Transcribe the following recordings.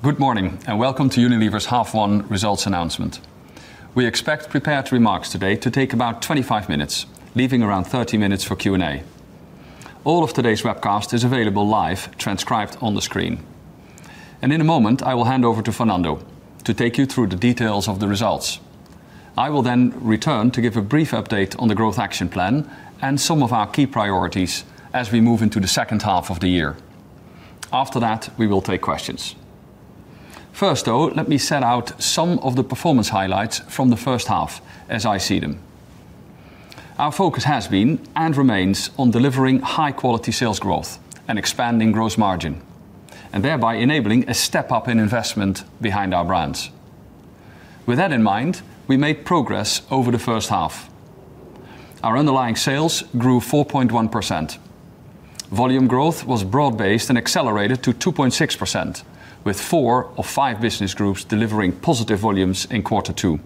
Good morning, and welcome to Unilever's half one results announcement. We expect prepared remarks today to take about 25 minutes, leaving around 30 minutes for Q&A. All of today's webcast is available live, transcribed on the screen. And in a moment, I will hand over to Fernando to take you through the details of the results. I will then return to give a brief update on the growth action plan and some of our key priorities as we move into the second half of the year. After that, we will take questions. First, though, let me set out some of the performance highlights from the first half as I see them. Our focus has been, and remains, on delivering high-quality sales growth and expanding gross margin, and thereby enabling a step up in investment behind our brands. With that in mind, we made progress over the first half. Our underlying sales grew 4.1%. Volume growth was broad-based and accelerated to 2.6%, with four of five business groups delivering positive volumes in quarter two.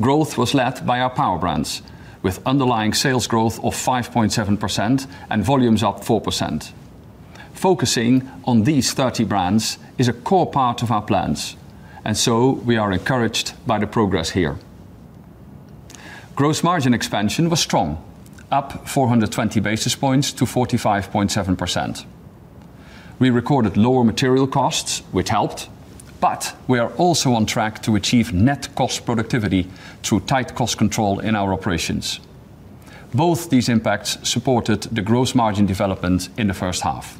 Growth was led by our Power Brands, with underlying sales growth of 5.7% and volumes up 4%. Focusing on these 30 brands is a core part of our plans, and so we are encouraged by the progress here. Gross margin expansion was strong, up 420 basis points to 45.7%. We recorded lower material costs, which helped, but we are also on track to achieve Net Cost Productivity through tight cost control in our operations. Both these impacts supported the gross margin development in the first half.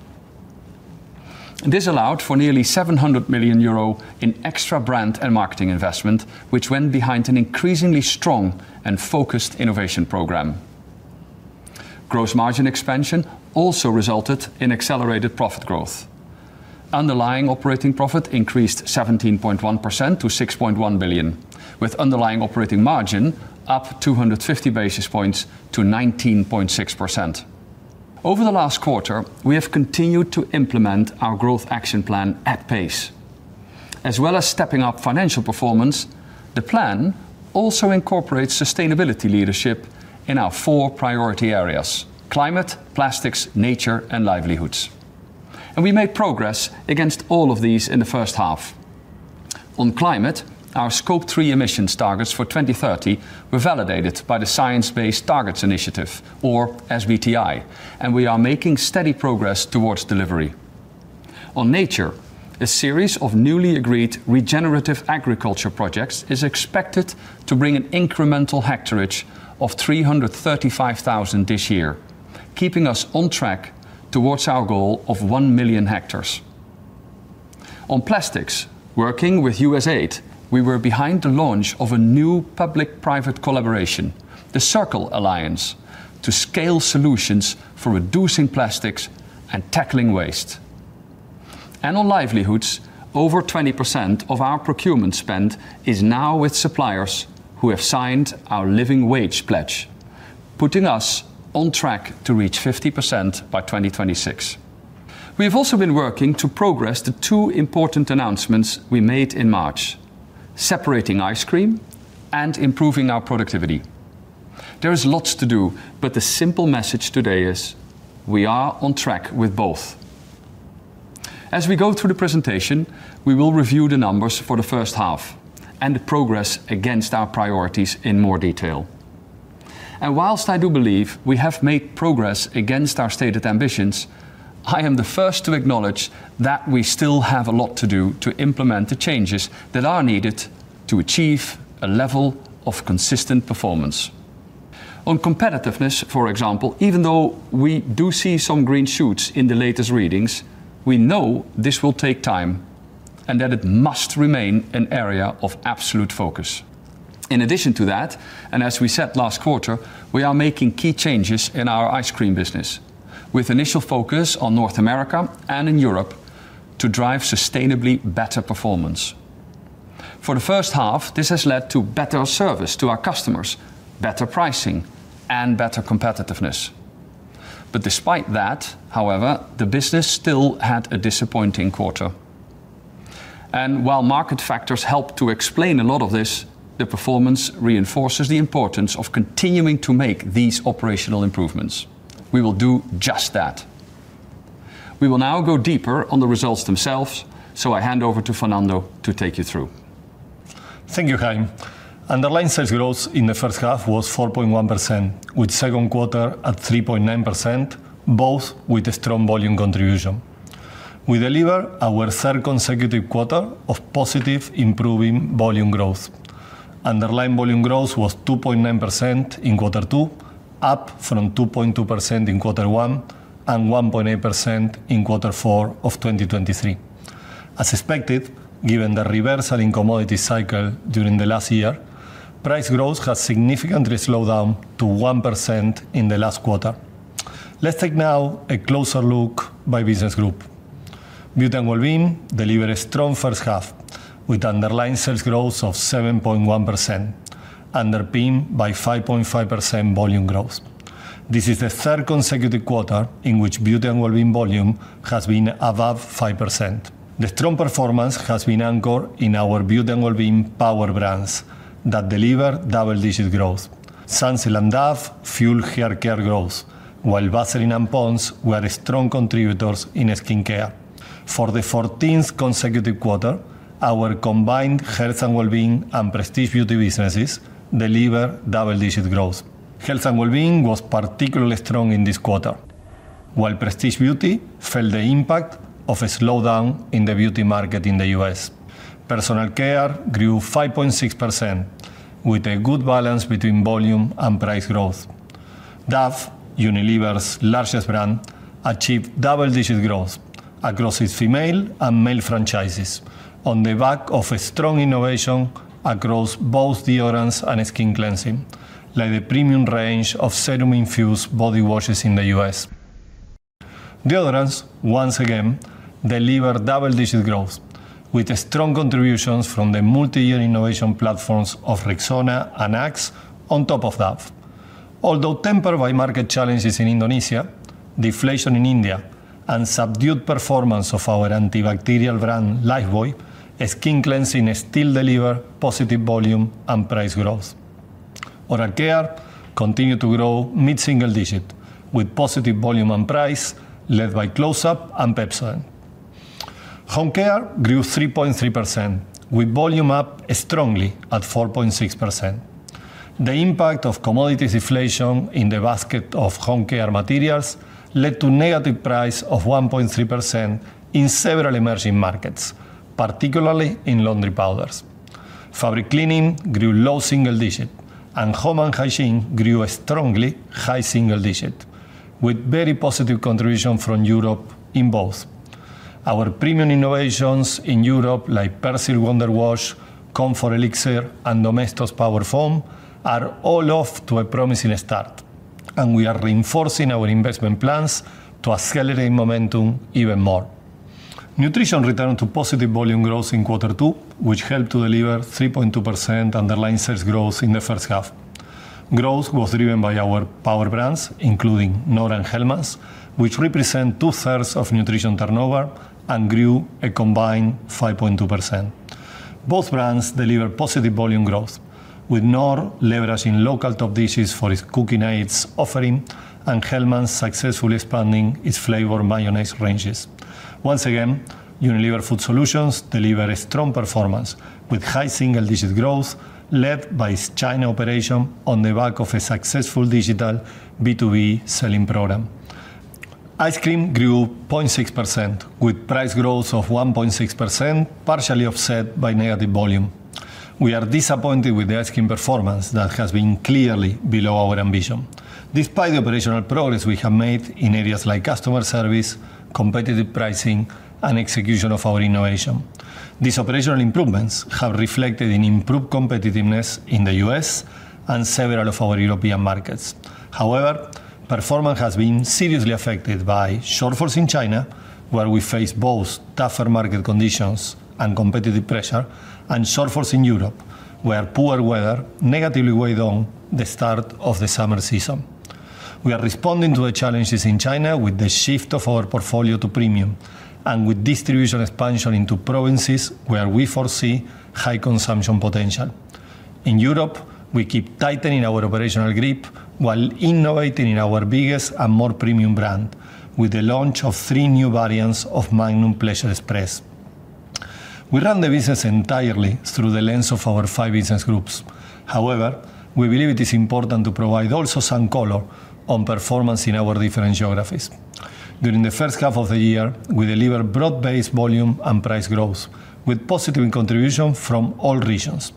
This allowed for nearly 700 million euro in extra brand and marketing investment, which went behind an increasingly strong and focused innovation program. Gross margin expansion also resulted in accelerated profit growth. Underlying operating profit increased 17.1% to 6.1 billion, with underlying operating margin up 250 basis points to 19.6%. Over the last quarter, we have continued to implement our growth action plan at pace. As well as stepping up financial performance, the plan also incorporates sustainability leadership in our four priority areas: climate, plastics, nature, and livelihoods. And we made progress against all of these in the first half. On climate, our Scope 3 emissions targets for 2030 were validated by the Science Based Targets initiative, or SBTi, and we are making steady progress towards delivery. On nature, a series of newly agreed regenerative agriculture projects is expected to bring an incremental hectarage of 335,000 this year, keeping us on track towards our goal of 1 million hectares. On plastics, working with USAID, we were behind the launch of a new public-private collaboration, the CIRCLE Alliance, to scale solutions for reducing plastics and tackling waste. And on livelihoods, over 20% of our procurement spend is now with suppliers who have signed our Living Wage Pledge, putting us on track to reach 50% by 2026. We have also been working to progress the two important announcements we made in March: separating Ice Cream and improving our productivity. There is lots to do, but the simple message today is we are on track with both. As we go through the presentation, we will review the numbers for the first half and the progress against our priorities in more detail. While I do believe we have made progress against our stated ambitions, I am the first to acknowledge that we still have a lot to do to implement the changes that are needed to achieve a level of consistent performance. On competitiveness, for example, even though we do see some green shoots in the latest readings, we know this will take time, and that it must remain an area of absolute focus. In addition to that, and as we said last quarter, we are making key changes in our Ice Cream business, with initial focus on North America and in Europe, to drive sustainably better performance. For the first half, this has led to better service to our customers, better pricing, and better competitiveness. Despite that, however, the business still had a disappointing quarter. While market factors help to explain a lot of this, the performance reinforces the importance of continuing to make these operational improvements. We will do just that. We will now go deeper on the results themselves, so I hand over to Fernando to take you through. Thank you, Hein. Underlying sales growth in the first half was 4.1%, with second quarter at 3.9%, both with a strong volume contribution. We deliver our third consecutive quarter of positive, improving volume growth. Underlying volume growth was 2.9% in quarter two, up from 2.2% in quarter one, and 1.8% in quarter four of 2023. As expected, given the reversal in commodity cycle during the last year, price growth has significantly slowed down to 1% in the last quarter. Let's take now a closer look by business group. Beauty & Wellbeing delivered a strong first half, with underlying sales growth of 7.1%, underpinned by 5.5% volume growth. This is the third consecutive quarter in which Beauty & Wellbeing volume has been above 5%. The strong performance has been anchored in our Beauty & Wellbeing Power Brands that deliver double-digit growth. Sunsilk and Dove fueled hair care growth, while Vaseline and Pond's were strong contributors in skincare. For the fourteenth consecutive quarter, our combined Health & Wellbeing and Prestige Beauty businesses delivered double-digit growth. Health & Wellbeing was particularly strong in this quarter, while Prestige Beauty felt the impact of a slowdown in the beauty market in the U.S. Personal Care grew 5.6%, with a good balance between volume and price growth. Dove, Unilever's largest brand, achieved double-digit growth across its female and male franchises on the back of a strong innovation across both deodorants and skin cleansing, like the premium range of serum-infused body washes in the U.S. Deodorants, once again, delivered double-digit growth, with strong contributions from the multi-year innovation platforms of Rexona and Axe on top of Dove. Although tempered by market challenges in Indonesia, deflation in India, and subdued performance of our antibacterial brand, Lifebuoy, skin cleansing still delivered positive volume and price growth. Oral care continued to grow mid-single digit, with positive volume and price, led by Closeup and Pepsodent. Home Care grew 3.3%, with volume up strongly at 4.6%. The impact of commodities deflation in the basket of Home Care materials led to negative price of 1.3% in several emerging markets, particularly in laundry powders. Fabric conditioning grew low single digit, and home and hygiene grew strongly high single digit, with very positive contribution from Europe in both. Our premium innovations in Europe, like Persil Wonder Wash, Comfort Elixir, and Domestos Power Foam, are all off to a promising start, and we are reinforcing our investment plans to accelerate momentum even more. Nutrition returned to positive volume growth in quarter two, which helped to deliver 3.2% underlying sales growth in the first half. Growth was driven by our Power Brands, including Knorr and Hellmann's, which represent 2/3 of Nutrition turnover and grew a combined 5.2%. Both brands delivered positive volume growth, with Knorr leveraging local top dishes for its cooking aids offering, and Hellmann's successfully expanding its flavored mayonnaise ranges. Once again, Unilever Food Solutions delivered a strong performance, with high single-digit growth led by its China operation on the back of a successful digital B2B selling program. Ice Cream grew 0.6%, with price growth of 1.6%, partially offset by negative volume. We are disappointed with the Ice Cream performance. That has been clearly below our ambition, despite the operational progress we have made in areas like customer service, competitive pricing, and execution of our innovation. These operational improvements have reflected in improved competitiveness in the U.S. and several of our European markets. However, performance has been seriously affected by shortfalls in China, where we face both tougher market conditions and competitive pressure, and shortfalls in Europe, where poor weather negatively weighed on the start of the summer season. We are responding to the challenges in China with the shift of our portfolio to premium and with distribution expansion into provinces where we foresee high consumption potential. In Europe, we keep tightening our operational grip while innovating in our biggest and more premium brand, with the launch of three new variants of Magnum Pleasure Express. We run the business entirely through the lens of our five business groups. However, we believe it is important to provide also some color on performance in our different geographies. During the first half of the year, we delivered broad-based volume and price growth, with positive contribution from all regions.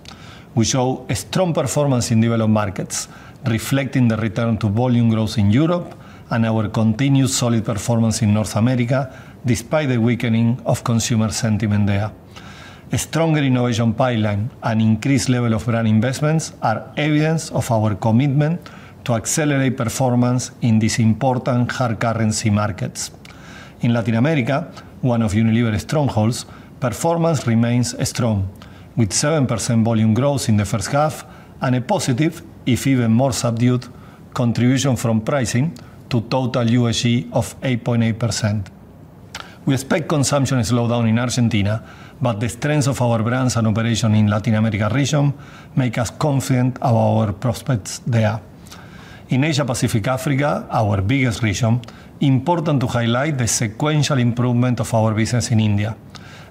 We show a strong performance in developed markets, reflecting the return to volume growth in Europe and our continued solid performance in North America, despite the weakening of consumer sentiment there. A stronger innovation pipeline and increased level of brand investments are evidence of our commitment to accelerate performance in these important hard currency markets. In Latin America, one of Unilever's strongholds, performance remains strong, with 7% volume growth in the first half and a positive, if even more subdued, contribution from pricing to total USG of 8.8%. We expect consumption to slow down in Argentina, but the strength of our brands and operation in Latin America region make us confident about our prospects there. In Asia Pacific and Africa, our biggest region, important to highlight the sequential improvement of our business in India.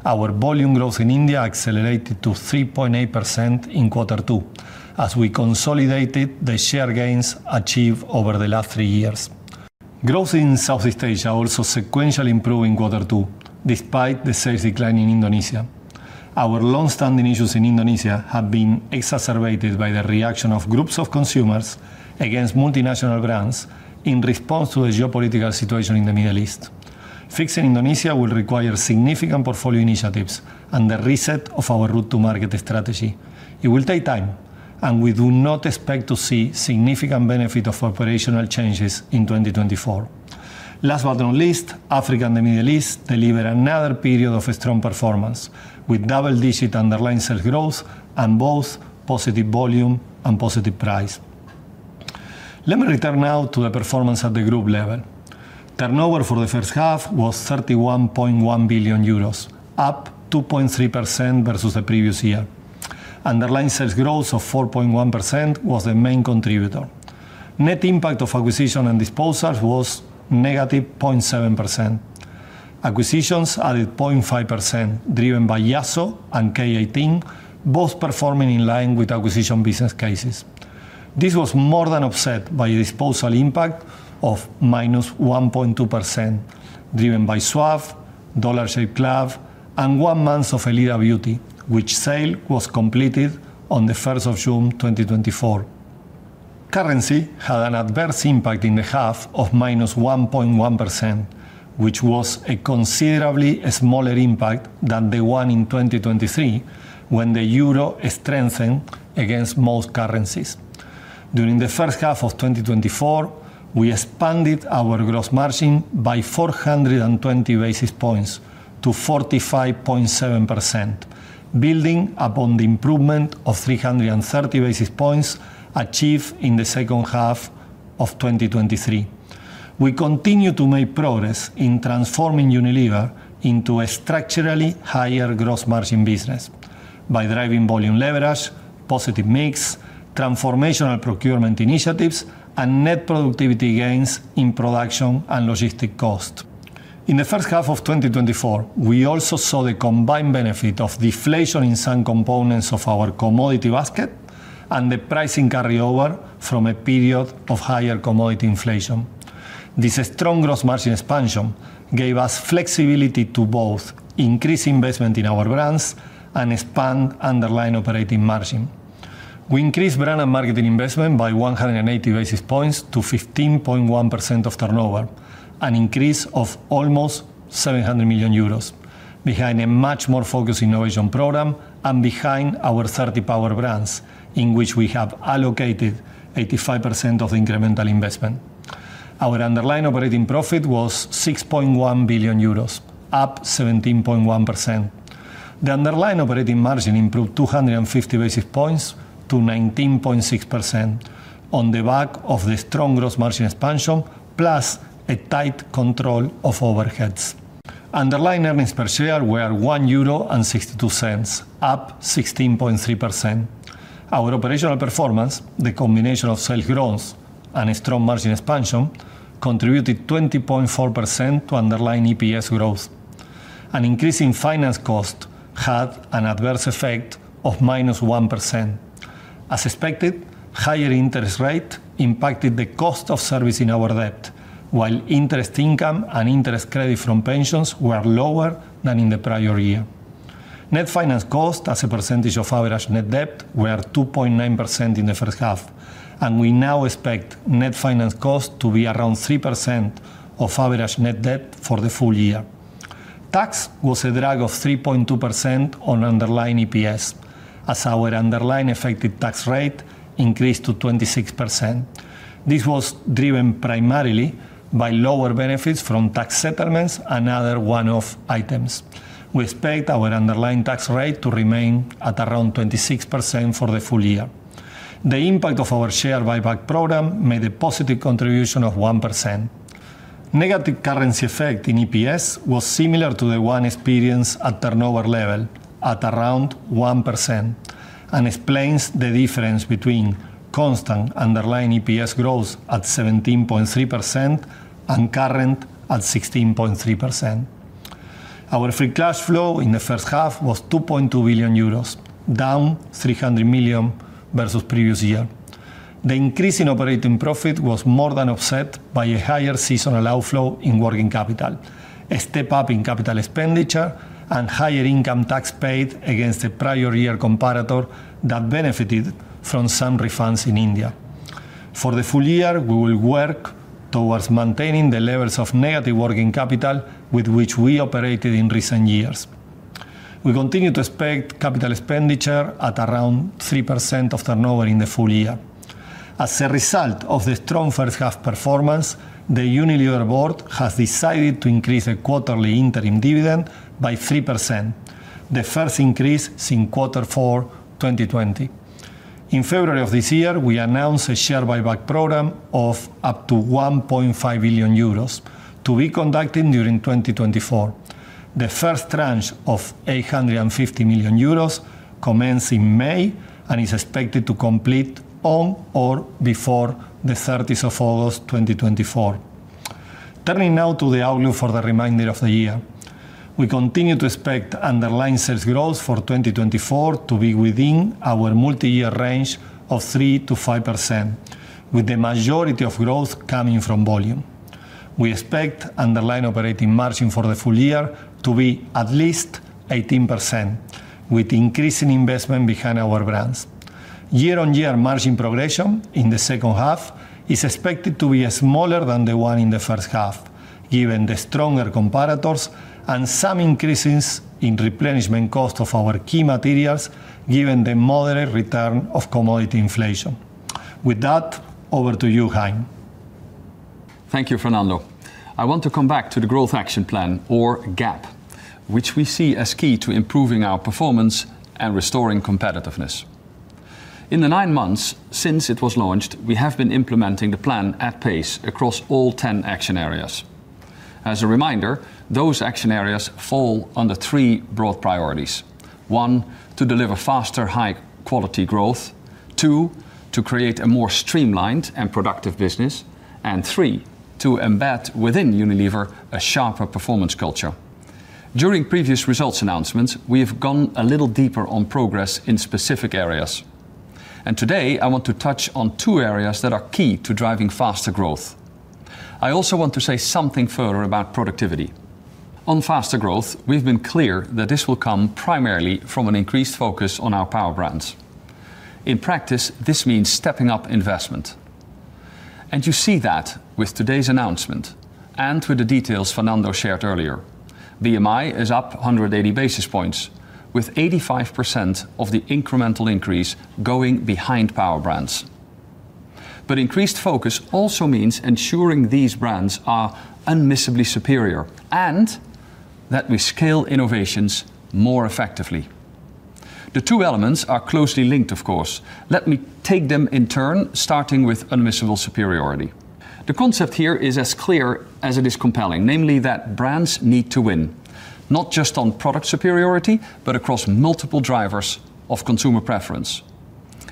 Our volume growth in India accelerated to 3.8% in quarter two, as we consolidated the share gains achieved over the last three years. Growth in Southeast Asia also sequentially improved in quarter two, despite the sales decline in Indonesia. Our long-standing issues in Indonesia have been exacerbated by the reaction of groups of consumers against multinational brands in response to the geopolitical situation in the Middle East. Fixing Indonesia will require significant portfolio initiatives and the reset of our route to market strategy. It will take time, and we do not expect to see significant benefit of operational changes in 2024. Last but not least, Africa and the Middle East delivered another period of strong performance, with double-digit underlying sales growth and both positive volume and positive price. Let me return now to the performance at the group level. Turnover for the first half was 31.1 billion euros, up 2.3% versus the previous year. Underlying sales growth of 4.1% was the main contributor. Net impact of acquisition and disposals was -0.7%. Acquisitions added 0.5%, driven by Yasso and K18, both performing in line with acquisition business cases. This was more than offset by a disposal impact of -1.2%, driven by Suave, Dollar Shave Club, and one month of Elida Beauty, which sale was completed on the 1st of June 2024. Currency had an adverse impact in the half of -1.1%, which was a considerably smaller impact than the one in 2023, when the euro strengthened against most currencies. During the first half of 2024, we expanded our gross margin by 420 basis points to 45.7%, building upon the improvement of 330 basis points achieved in the second half of 2023. We continue to make progress in transforming Unilever into a structurally higher gross margin business by driving volume leverage, positive mix, transformational procurement initiatives, and net productivity gains in production and logistics costs. In the first half of 2024, we also saw the combined benefit of deflation in some components of our commodity basket and the pricing carryover from a period of higher commodity inflation. This strong gross margin expansion gave us flexibility to both increase investment in our brands and expand underlying operating margin. We increased brand and marketing investment by 180 basis points to 15.1% of turnover, an increase of almost 700 million euros, behind a much more focused innovation program and behind our 30 Power Brands, in which we have allocated 85% of the incremental investment. Our underlying operating profit was 6.1 billion euros, up 17.1%. The underlying operating margin improved 250 basis points to 19.6% on the back of the strong gross margin expansion, plus a tight control of overheads. Underlying earnings per share were 1.62 euro, up 16.3%. Our operational performance, the combination of sales growth and a strong margin expansion, contributed 20.4% to underlying EPS growth. An increase in finance cost had an adverse effect of -1%. As expected, higher interest rate impacted the cost of servicing our debt, while interest income and interest credit from pensions were lower than in the prior year. Net finance cost as a percentage of average net debt were 2.9% in the first half, and we now expect net finance cost to be around 3% of average net debt for the full year. Tax was a drag of 3.2% on underlying EPS, as our underlying effective tax rate increased to 26%. This was driven primarily by lower benefits from tax settlements and other one-off items. We expect our underlying tax rate to remain at around 26% for the full year. The impact of our share buyback program made a positive contribution of 1%. Negative currency effect in EPS was similar to the one experienced at turnover level at around 1% and explains the difference between constant underlying EPS growth at 17.3% and current at 16.3%. Our free cash flow in the first half was 2.2 billion euros, down 300 million versus previous year. The increase in operating profit was more than offset by a higher seasonal outflow in working capital, a step up in capital expenditure, and higher income tax paid against the prior year comparator that benefited from some refunds in India. For the full year, we will work towards maintaining the levels of negative working capital with which we operated in recent years. We continue to expect capital expenditure at around 3% of turnover in the full year. As a result of the strong first half performance, the Unilever board has decided to increase the quarterly interim dividend by 3%, the first increase since quarter four, 2020. In February of this year, we announced a share buyback program of up to 1.5 billion euros to be conducted during 2024. The first tranche of 850 million euros commenced in May and is expected to complete on or before the 30th of August, 2024. Turning now to the outlook for the remainder of the year. We continue to expect underlying sales growth for 2024 to be within our multi-year range of 3%-5%, with the majority of growth coming from volume. We expect underlying operating margin for the full year to be at least 18%, with increase in investment behind our brands. Year-on-year margin progression in the second half is expected to be smaller than the one in the first half, given the stronger comparators and some increases in replenishment cost of our key materials, given the moderate return of commodity inflation. With that, over to you, Hein. Thank you, Fernando. I want to come back to the Growth Action Plan, or GAP, which we see as key to improving our performance and restoring competitiveness. In the nine months since it was launched, we have been implementing the plan at pace across all 10 action areas. As a reminder, those action areas fall under three broad priorities. One, to deliver faster, high-quality growth. Two, to create a more streamlined and productive business. And three, to embed within Unilever a sharper performance culture. During previous results announcements, we have gone a little deeper on progress in specific areas, and today, I want to touch on two areas that are key to driving faster growth. I also want to say something further about productivity. On faster growth, we've been clear that this will come primarily from an increased focus on our Power Brands. In practice, this means stepping up investment, and you see that with today's announcement and with the details Fernando shared earlier. BMI is up 180 basis points, with 85% of the incremental increase going behind Power Brands. But increased focus also means ensuring these brands are unmissable superior, and that we scale innovations more effectively. The two elements are closely linked, of course. Let me take them in turn, starting with unmissable superiority. The concept here is as clear as it is compelling, namely, that brands need to win, not just on product superiority, but across multiple drivers of consumer preference.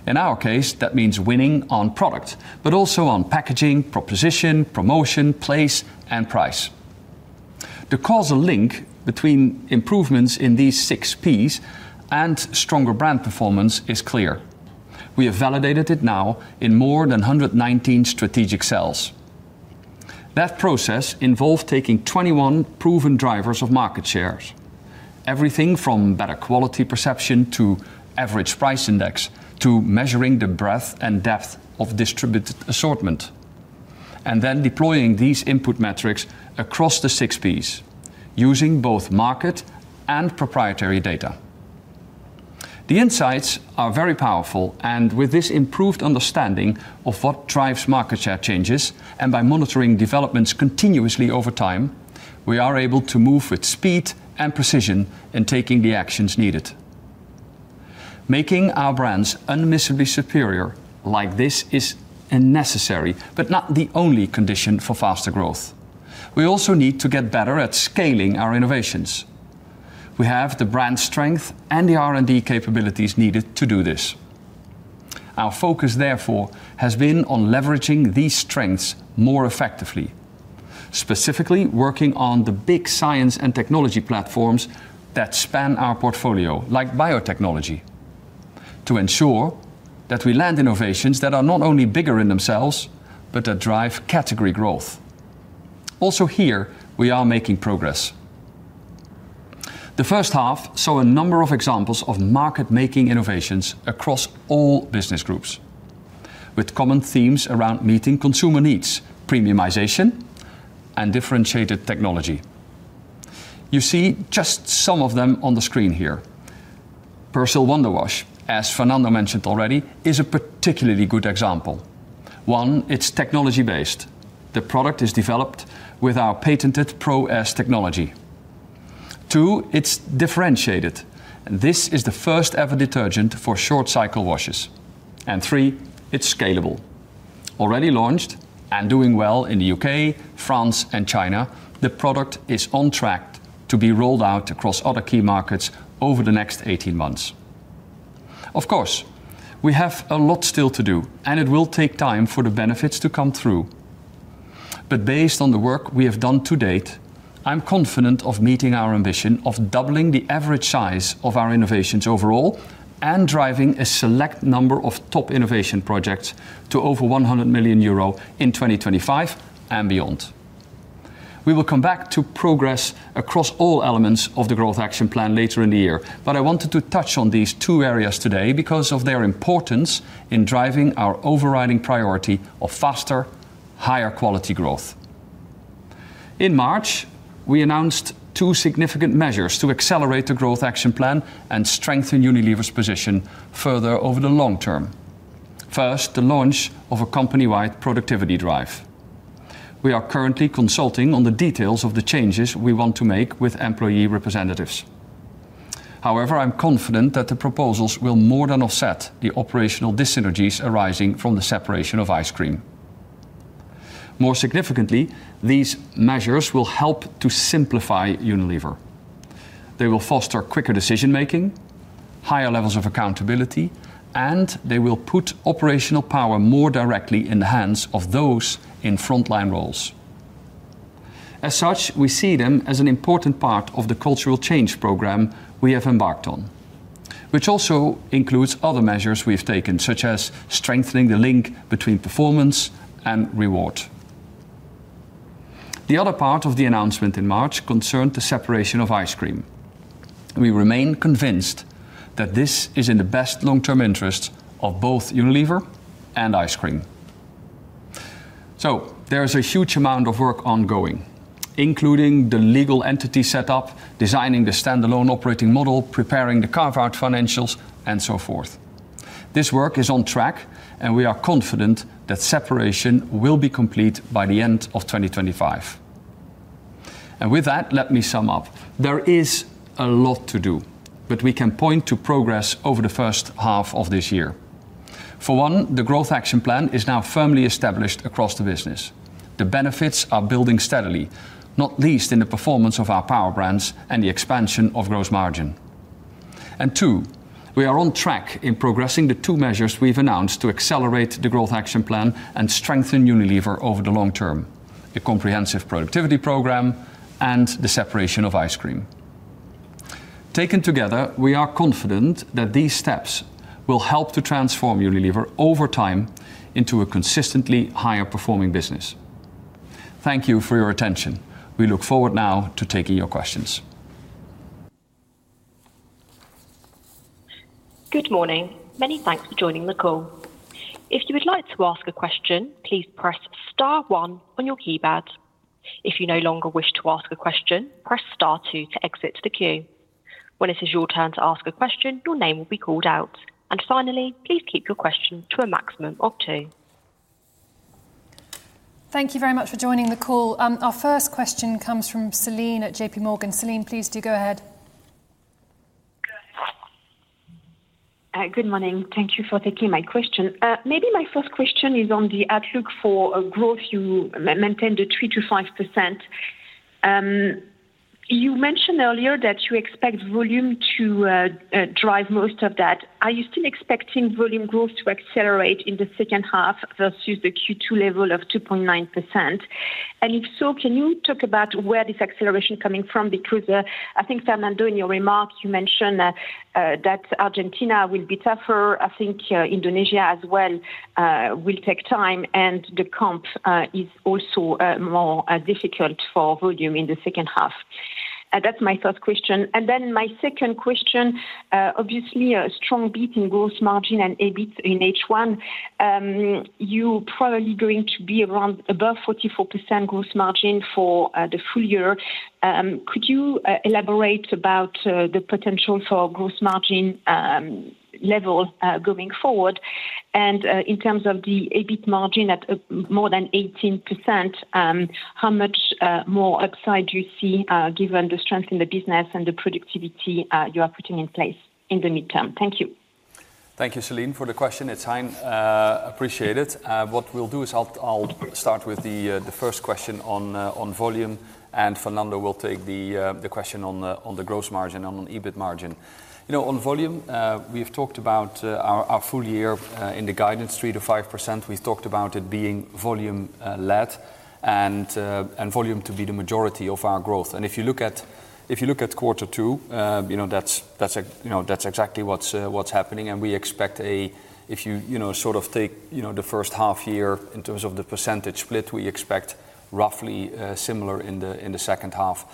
In our case, that means winning on product, but also on packaging, proposition, promotion, place, and price. The causal link between improvements in these Six Ps and stronger brand performance is clear. We have validated it now in more than 119 strategic cells. That process involved taking 21 proven drivers of market shares, everything from better quality perception to average price index, to measuring the breadth and depth of distributed assortment, and then deploying these input metrics across the Six Ps, using both market and proprietary data. The insights are very powerful, and with this improved understanding of what drives market share changes, and by monitoring developments continuously over time, we are able to move with speed and precision in taking the actions needed. Making our brands unmissably superior like this is a necessary, but not the only, condition for faster growth. We also need to get better at scaling our innovations. We have the brand strength and the R&D capabilities needed to do this. Our focus, therefore, has been on leveraging these strengths more effectively. Specifically, working on the big science and technology platforms that span our portfolio, like biotechnology, to ensure that we land innovations that are not only bigger in themselves, but that drive category growth. Also here, we are making progress. The first half saw a number of examples of market-making innovations across all business groups, with common themes around meeting consumer needs, premiumization, and differentiated technology. You see just some of them on the screen here. Persil Wonder Wash, as Fernando mentioned already, is a particularly good example. One, it's technology based. The product is developed with our patented Pro-S technology. Two, it's differentiated. This is the first-ever detergent for short-cycle washes. And three, it's scalable. Already launched and doing well in the UK, France, and China, the product is on track to be rolled out across other key markets over the next 18 months. Of course, we have a lot still to do, and it will take time for the benefits to come through. But based on the work we have done to date, I'm confident of meeting our ambition of doubling the average size of our innovations overall, and driving a select number of top innovation projects to over 100 million euro in 2025 and beyond. We will come back to progress across all elements of the Growth Action Plan later in the year. But I wanted to touch on these two areas today because of their importance in driving our overriding priority of faster, higher-quality growth. In March, we announced two significant measures to accelerate the Growth Action Plan and strengthen Unilever's position further over the long term. First, the launch of a company-wide productivity drive. We are currently consulting on the details of the changes we want to make with employee representatives. However, I'm confident that the proposals will more than offset the operational dyssynergies arising from the separation of Ice Cream. More significantly, these measures will help to simplify Unilever. They will foster quicker decision making, higher levels of accountability, and they will put operational power more directly in the hands of those in frontline roles. As such, we see them as an important part of the cultural change program we have embarked on, which also includes other measures we've taken, such as strengthening the link between performance and reward. The other part of the announcement in March concerned the separation of Ice Cream. We remain convinced that this is in the best long-term interest of both Unilever and Ice Cream. So there is a huge amount of work ongoing.... including the legal entity set up, designing the standalone operating model, preparing the carve-out financials, and so forth. This work is on track, and we are confident that separation will be complete by the end of 2025. And with that, let me sum up. There is a lot to do, but we can point to progress over the first half of this year. For one, the Growth Action Plan is now firmly established across the business. The benefits are building steadily, not least in the performance of our Power Brands and the expansion of gross margin. And two, we are on track in progressing the two measures we've announced to accelerate the Growth Action Plan and strengthen Unilever over the long term, the comprehensive productivity program and the separation of Ice Cream. Taken together, we are confident that these steps will help to transform Unilever over time into a consistently higher performing business. Thank you for your attention. We look forward now to taking your questions. Good morning. Many thanks for joining the call. If you would like to ask a question, please press star one on your keypad. If you no longer wish to ask a question, press star two to exit the queue. When it is your turn to ask a question, your name will be called out. Finally, please keep your question to a maximum of two. Thank you very much for joining the call. Our first question comes from Celine at JPMorgan. Celine, please do go ahead. Hi, good morning. Thank you for taking my question. Maybe my first question is on the outlook for growth. You maintained a 3%-5%. You mentioned earlier that you expect volume to drive most of that. Are you still expecting volume growth to accelerate in the second half versus the Q2 level of 2.9%? And if so, can you talk about where this acceleration coming from? Because I think, Fernando, in your remarks, you mentioned that Argentina will be tougher. I think Indonesia as well will take time, and the comp is also more difficult for volume in the second half. That's my first question. And then my second question, obviously, a strong beat in gross margin and EBIT in H1. You probably going to be around above 44% gross margin for the full year. Could you elaborate about the potential for gross margin level going forward? And in terms of the EBIT margin at more than 18%, how much more upside do you see given the strength in the business and the productivity you are putting in place in the midterm? Thank you. Thank you, Celine, for the question. It's Hein. Appreciate it. What we'll do is I'll start with the first question on volume, and Fernando will take the question on the gross margin and on EBIT margin. You know, on volume, we've talked about our full year in the guidance, 3%-5%. We've talked about it being volume led, and volume to be the majority of our growth. And if you look at, if you look at quarter two, you know, that's exactly what's happening. And we expect, if you sort of take the first half year in terms of the percentage split, we expect roughly similar in the second half.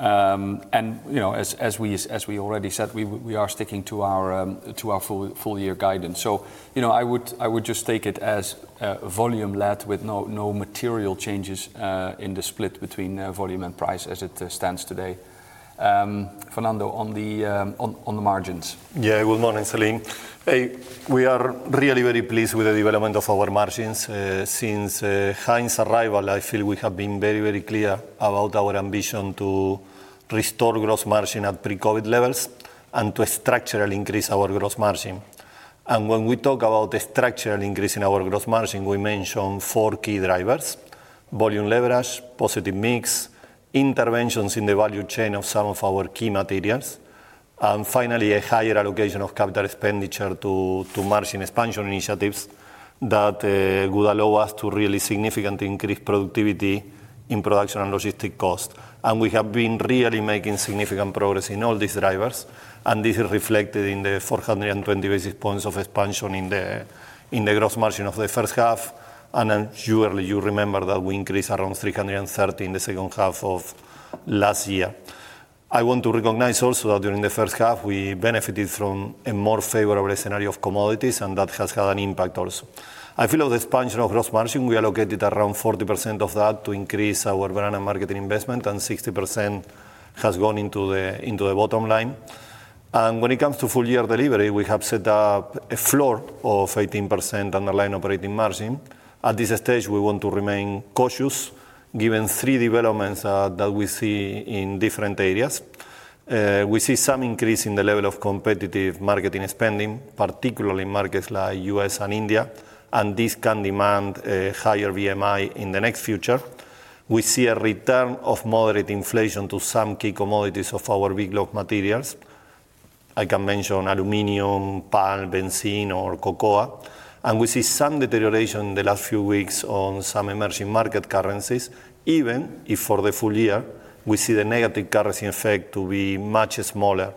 And, you know, as we already said, we are sticking to our full year guidance. So, you know, I would just take it as volume led with no material changes in the split between volume and price as it stands today. Fernando, on the margins. Yeah. Good morning, Celine. We are really very pleased with the development of our margins. Since Hein's arrival, I feel we have been very, very clear about our ambition to restore gross margin at pre-COVID levels and to structurally increase our gross margin. When we talk about the structural increase in our gross margin, we mention four key drivers: volume leverage, positive mix, interventions in the value chain of some of our key materials, and finally, a higher allocation of capital expenditure to margin expansion initiatives that would allow us to really significantly increase productivity in production and logistic cost. We have been really making significant progress in all these drivers, and this is reflected in the 420 basis points of expansion in the gross margin of the first half. Then surely you remember that we increased around 330 in the second half of last year. I want to recognize also that during the first half we benefited from a more favorable scenario of commodities, and that has had an impact also. I feel the expansion of gross margin, we allocated around 40% of that to increase our brand and marketing investment, and 60% has gone into the bottom line. When it comes to full year delivery, we have set up a floor of 18% underlying operating margin. At this stage, we want to remain cautious, given three developments that we see in different areas. We see some increase in the level of competitive marketing spending, particularly in markets like U.S. and India, and this can demand a higher BMI in the next future. We see a return of moderate inflation to some key commodities of our big block materials. I can mention aluminum, palm, benzene, or cocoa. We see some deterioration in the last few weeks on some emerging market currencies, even if for the full year, we see the negative currency effect to be much smaller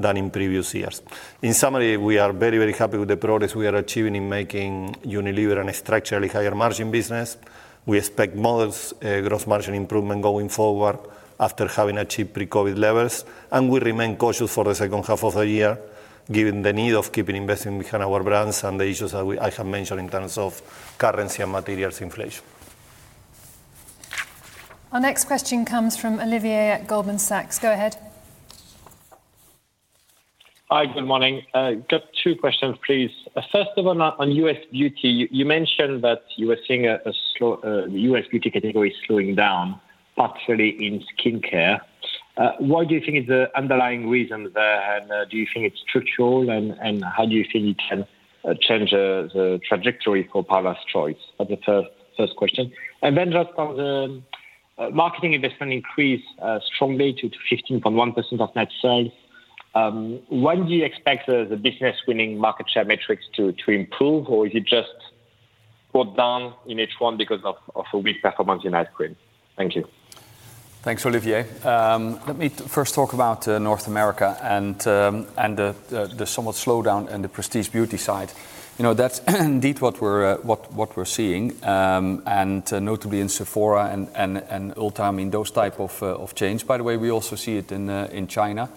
than in previous years. In summary, we are very, very happy with the progress we are achieving in making Unilever a structurally higher margin business. We expect modest gross margin improvement going forward after having achieved pre-COVID levels, and we remain cautious for the second half of the year, given the need of keeping investing behind our brands and the issues that we, I have mentioned in terms of currency and materials inflation. Our next question comes from Olivier at Goldman Sachs. Go ahead. Hi, good morning. Got two questions, please. First off on U.S. beauty, you mentioned that you were seeing the U.S. beauty category slowing down, partially in skin care. Why do you think is the underlying reason there, and do you think it's structural, and how do you think it can change the trajectory for Paula's Choice? That's the first question. And then just on the marketing investment increase strongly to 15.1% of net sales. When do you expect the business winning market share metrics to improve, or is it just brought down in H1 because of a weak performance in Ice Cream? Thank you. Thanks, Olivier. Let me first talk about North America and the somewhat slowdown in the Prestige Beauty side. You know, that's indeed what we're seeing, and notably in Sephora and Ulta, I mean, those type of change. By the way, we also see it in China.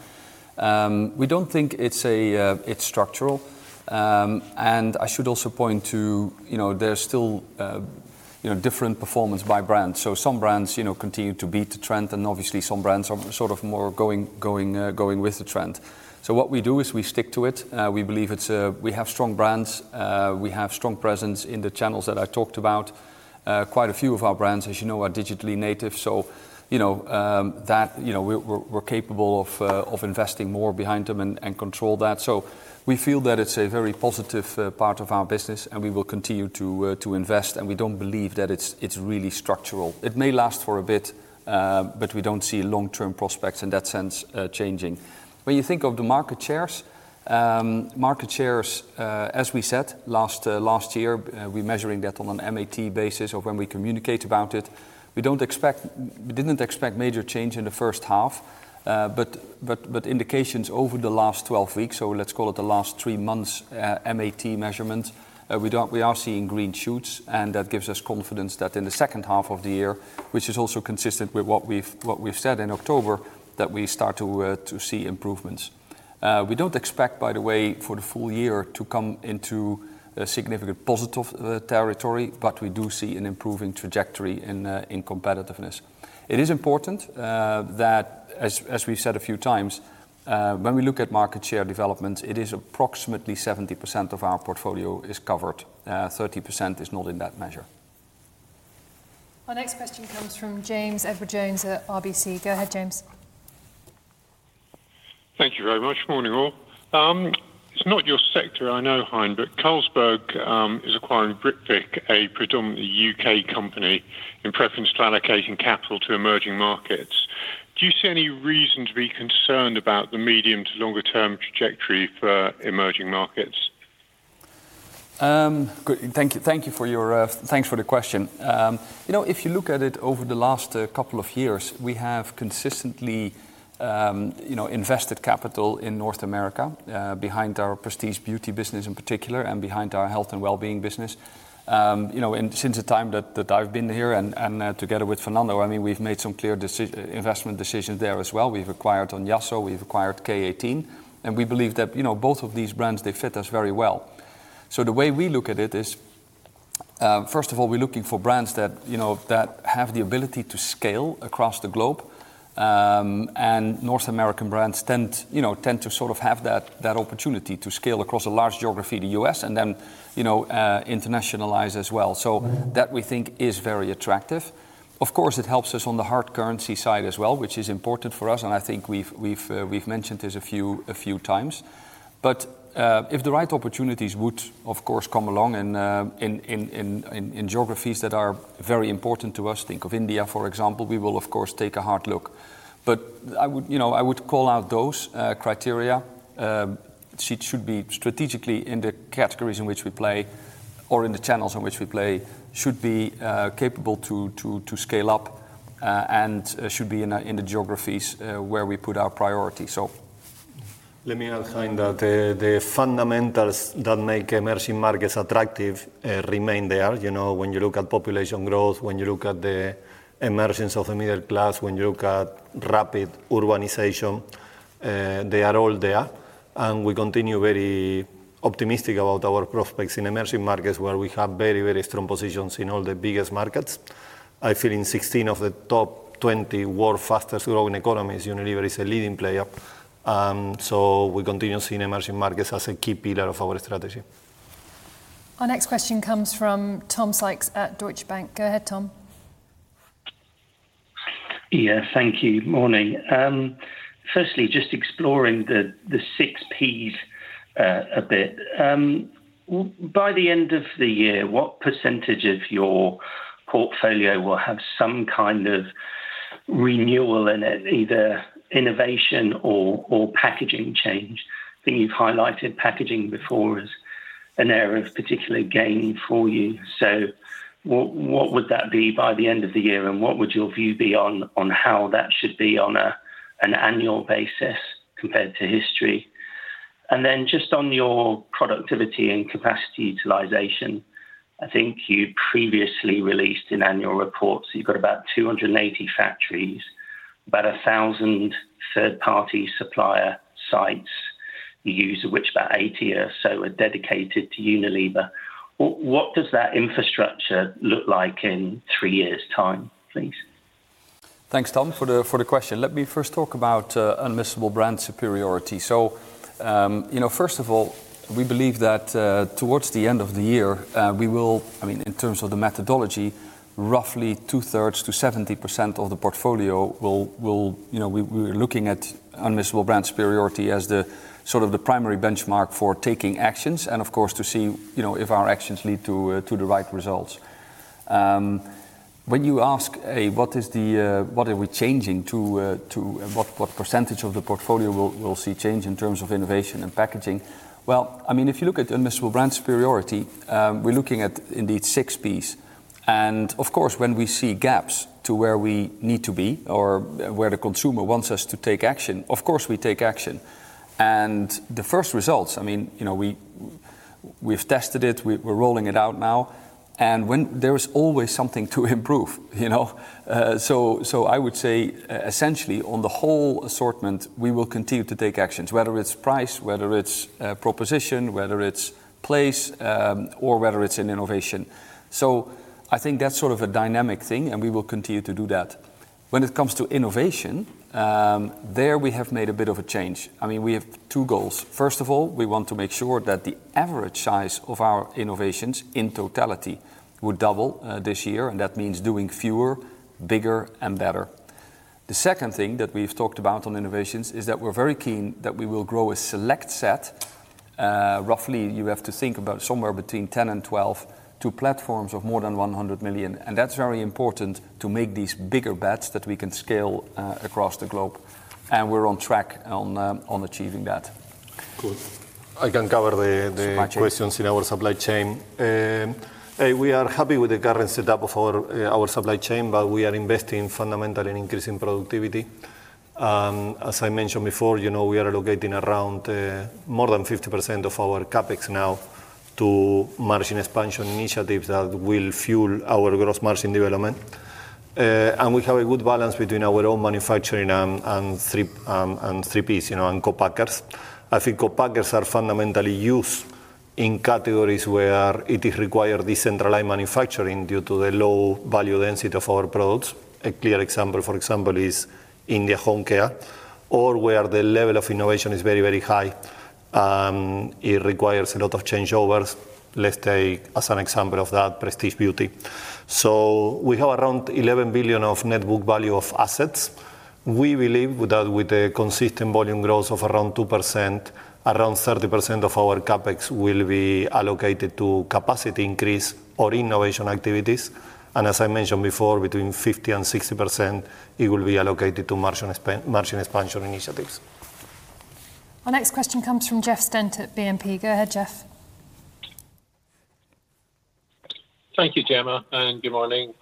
We don't think it's structural. And I should also point to, you know, there's still, you know, different performance by brand. So some brands, you know, continue to beat the trend, and obviously some brands are sort of more going with the trend. So what we do is we stick to it. We believe it's a... We have strong brands, we have strong presence in the channels that I talked about. Quite a few of our brands, as you know, are digitally native, so, you know, that, you know, we're capable of investing more behind them and control that. So we feel that it's a very positive part of our business, and we will continue to invest, and we don't believe that it's really structural. It may last for a bit, but we don't see long-term prospects in that sense changing. When you think of the market shares, market shares, as we said last year, we're measuring that on an MAT basis or when we communicate about it. We don't expect... We didn't expect major change in the first half, but indications over the last 12 weeks, so let's call it the last three months, MAT measurement, we are seeing green shoots, and that gives us confidence that in the second half of the year, which is also consistent with what we've said in October, that we start to see improvements. We don't expect, by the way, for the full year to come into a significant positive territory, but we do see an improving trajectory in competitiveness. It is important that, as we've said a few times, when we look at market share developments, it is approximately 70% of our portfolio is covered. 30% is not in that measure. Our next question comes from James Edwardes Jones at RBC. Go ahead, James. Thank you very much. Morning, all. It's not your sector, I know, Hein, but Carlsberg is acquiring Britvic, a predominantly U.K. company, in preference to allocating capital to emerging markets. Do you see any reason to be concerned about the medium to longer term trajectory for emerging markets? Good. Thank you, thank you for your thanks for the question. You know, if you look at it over the last couple of years, we have consistently you know, invested capital in North America behind our Prestige Beauty business in particular, and behind our Health & Wellbeing business. You know, and since the time that I've been here, and together with Fernando, I mean, we've made some clear investment decisions there as well. We've acquired Olly, so we've acquired K18, and we believe that you know, both of these brands, they fit us very well. So the way we look at it is, first of all, we're looking for brands that you know, that have the ability to scale across the globe. And North American brands tend, you know, to sort of have that opportunity to scale across a large geography, the U.S., and then, you know, internationalize as well. So that we think is very attractive. Of course, it helps us on the hard currency side as well, which is important for us, and I think we've mentioned this a few times. But if the right opportunities would, of course, come along, and in geographies that are very important to us, think of India, for example, we will of course take a hard look. But I would, you know, I would call out those criteria. It should be strategically in the categories in which we play or in the channels in which we play, should be capable to scale up, and should be in the geographies where we put our priority, so. Let me add, Hein, that the fundamentals that make emerging markets attractive remain there. You know, when you look at population growth, when you look at the emergence of the middle class, when you look at rapid urbanization, they are all there. And we continue very optimistic about our prospects in emerging markets, where we have very, very strong positions in all the biggest markets. I feel in 16 of the top 20 world fastest growing economies, Unilever is a leading player. So we continue seeing emerging markets as a key pillar of our strategy. Our next question comes from Tom Sykes at Deutsche Bank. Go ahead, Tom. Yeah, thank you. Morning. Firstly, just exploring the Six Ps a bit. By the end of the year, what percentage of your portfolio will have some kind of renewal in it, either innovation or packaging change? I think you've highlighted packaging before as an area of particular gain for you. So what would that be by the end of the year, and what would your view be on how that should be on an annual basis compared to history? And then just on your productivity and capacity utilization, I think you previously released in annual reports, you've got about 280 factories, about 1,000 third-party supplier sites you use, of which about 80 or so are dedicated to Unilever. What does that infrastructure look like in three years' time, please? Thanks, Tom, for the question. Let me first talk about Unmissable Brand Superiority. So, you know, first of all, we believe that towards the end of the year, I mean, in terms of the methodology, roughly 2/3-70% of the portfolio will, you know, we're looking at Unmissable Brand Superiority as the sort of the primary benchmark for taking actions and, of course, to see, you know, if our actions lead to to the right results. When you ask, what are we changing to, to... What, what percentage of the portfolio will, we'll see change in terms of innovation and packaging? Well, I mean, if you look at Unmissable Brand Superiority, we're looking at indeed Six Ps. Of course, when we see gaps to where we need to be or where the consumer wants us to take action, of course, we take action. The first results, I mean, you know, we've tested it, we're rolling it out now, and there is always something to improve, you know? So, so I would say, essentially, on the whole assortment, we will continue to take actions, whether it's price, whether it's proposition, whether it's place, or whether it's in innovation. So I think that's sort of a dynamic thing, and we will continue to do that. When it comes to innovation, there we have made a bit of a change. I mean, we have two goals. First of all, we want to make sure that the average size of our innovations in totality would double this year, and that means doing fewer, bigger, and better. The second thing that we've talked about on innovations is that we're very keen that we will grow a select set. Roughly, you have to think about somewhere between 10 and 12 to platforms of more than 100 million, and that's very important to make these bigger bets that we can scale across the globe, and we're on track on achieving that. Good. I can cover the Supply chain... questions in our supply chain. We are happy with the current setup of our supply chain, but we are investing fundamentally in increasing productivity. As I mentioned before, you know, we are allocating around more than 50% of our CapEx now to margin expansion initiatives that will fuel our gross margin development. And we have a good balance between our own manufacturing and third parties, you know, and co-packers. I think co-packers are fundamentally used in categories where it is required decentralized manufacturing due to the low value density of our products. A clear example, for example, is in the Home Care, or where the level of innovation is very, very high, it requires a lot of changeovers. Let's take, as an example of that, Prestige Beauty. We have around 11 billion of net book value of assets. We believe that with a consistent volume growth of around 2%, around 30% of our CapEx will be allocated to capacity increase or innovation activities, and as I mentioned before, between 50% and 60%, it will be allocated to margin expansion initiatives. Our next question comes from Jeff Stent at BNP. Go ahead, Jeff. Thank you, Gemma, and good morning.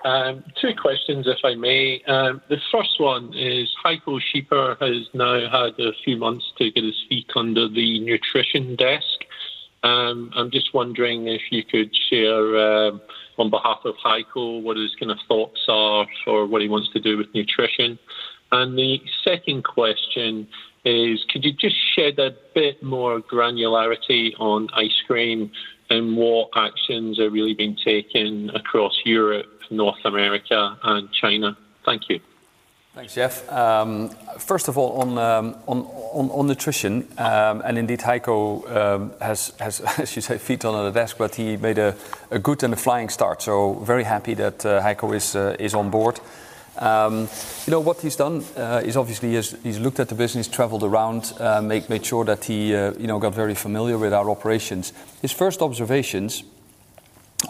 Two questions, if I may. The first one is, Heiko Schipper has now had a few months to get his feet under the Nutrition desk. I'm just wondering if you could share, on behalf of Heiko, what his kind of thoughts are or what he wants to do with Nutrition? And the second question is, could you just shed a bit more granularity on Ice Cream and what actions are really being taken across Europe, North America, and China? Thank you. Thanks, Jeff. First of all, on Nutrition, and indeed, Heiko has, as you say, feet under the desk, but he made a good and a flying start, so very happy that Heiko is on board. You know, what he's done is obviously he's looked at the business, traveled around, made sure that he, you know, got very familiar with our operations. His first observations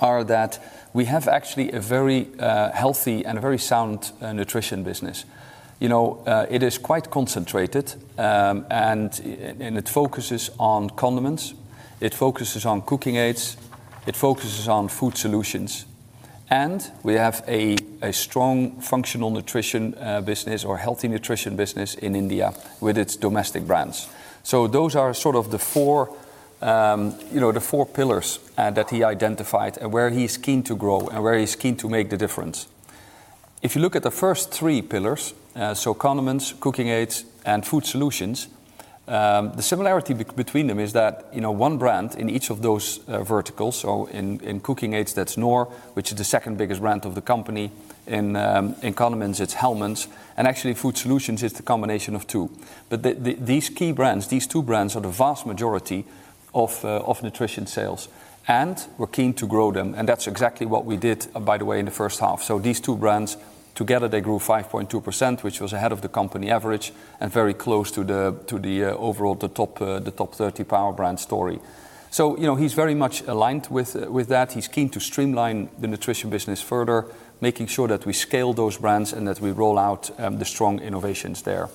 are that we have actually a very healthy and a very sound Nutrition business. You know, it is quite concentrated, and it focuses on condiments, it focuses on cooking aids, it focuses on Food Solutions, and we have a strong functional Nutrition business or healthy Nutrition business in India with its domestic brands. So those are sort of the four, you know, the four pillars that he identified and where he's keen to grow and where he's keen to make the difference. If you look at the first three pillars, so condiments, cooking aids, and Food Solutions, the similarity between them is that, you know, one brand in each of those verticals, so in cooking aids that's Knorr, which is the second biggest brand of the company, in condiments it's Hellmann's, and actually, Food Solutions is the combination of two. But these key brands, these two brands, are the vast majority of Nutrition sales, and we're keen to grow them, and that's exactly what we did, by the way, in the first half. So these two brands, together, they grew 5.2%, which was ahead of the company average and very close to the overall top 30 Power Brand story. So, you know, he's very much aligned with that. He's keen to streamline the Nutrition business further, making sure that we scale those brands and that we roll out the strong innovations there.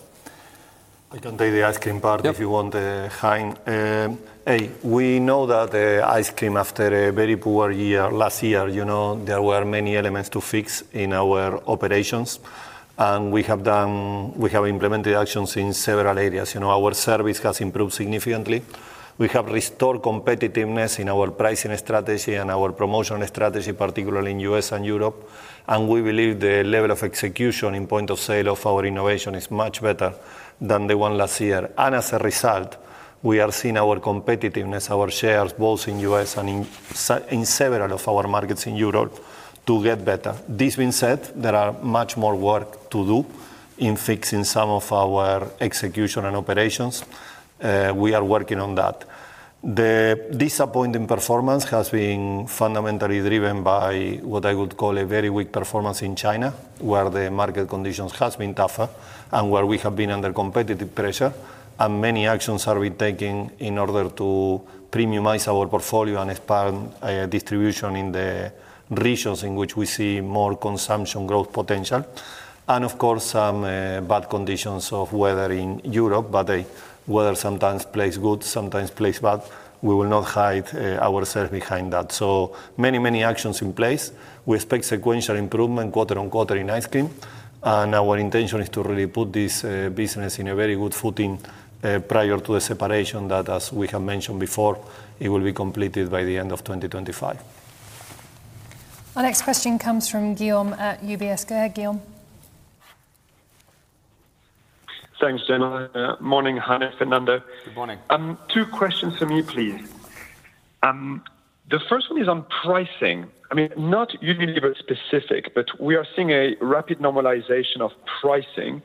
I can take the Ice Cream part- Yep... if you want, Hein. We know that the Ice Cream, after a very poor year last year, you know, there were many elements to fix in our operations, and we have done. We have implemented actions in several areas. You know, our service has improved significantly. We have restored competitiveness in our pricing strategy and our promotion strategy, particularly in U.S. and Europe, and we believe the level of execution in point of sale of our innovation is much better than the one last year. And as a result, we are seeing our competitiveness, our shares, both in U.S. and in several of our markets in Europe, to get better. This being said, there are much more work to do in fixing some of our execution and operations. We are working on that. The disappointing performance has been fundamentally driven by what I would call a very weak performance in China, where the market conditions has been tougher and where we have been under competitive pressure. Many actions are we taking in order to premiumize our portfolio and expand distribution in the regions in which we see more consumption growth potential. Of course, some bad conditions of weather in Europe, but the weather sometimes plays good, sometimes plays bad. We will not hide ourselves behind that. So many, many actions in place. We expect sequential improvement quarter-on-quarter in Ice Cream, and our intention is to really put this business in a very good footing prior to the separation that, as we have mentioned before, it will be completed by the end of 2025. Our next question comes from Guillaume at UBS. Go ahead, Guillaume. Thanks, Jemma. Morning, Hein, Fernando. Good morning. Two questions for me, please. The first one is on pricing. I mean, not Unilever specific, but we are seeing a rapid normalization of pricing.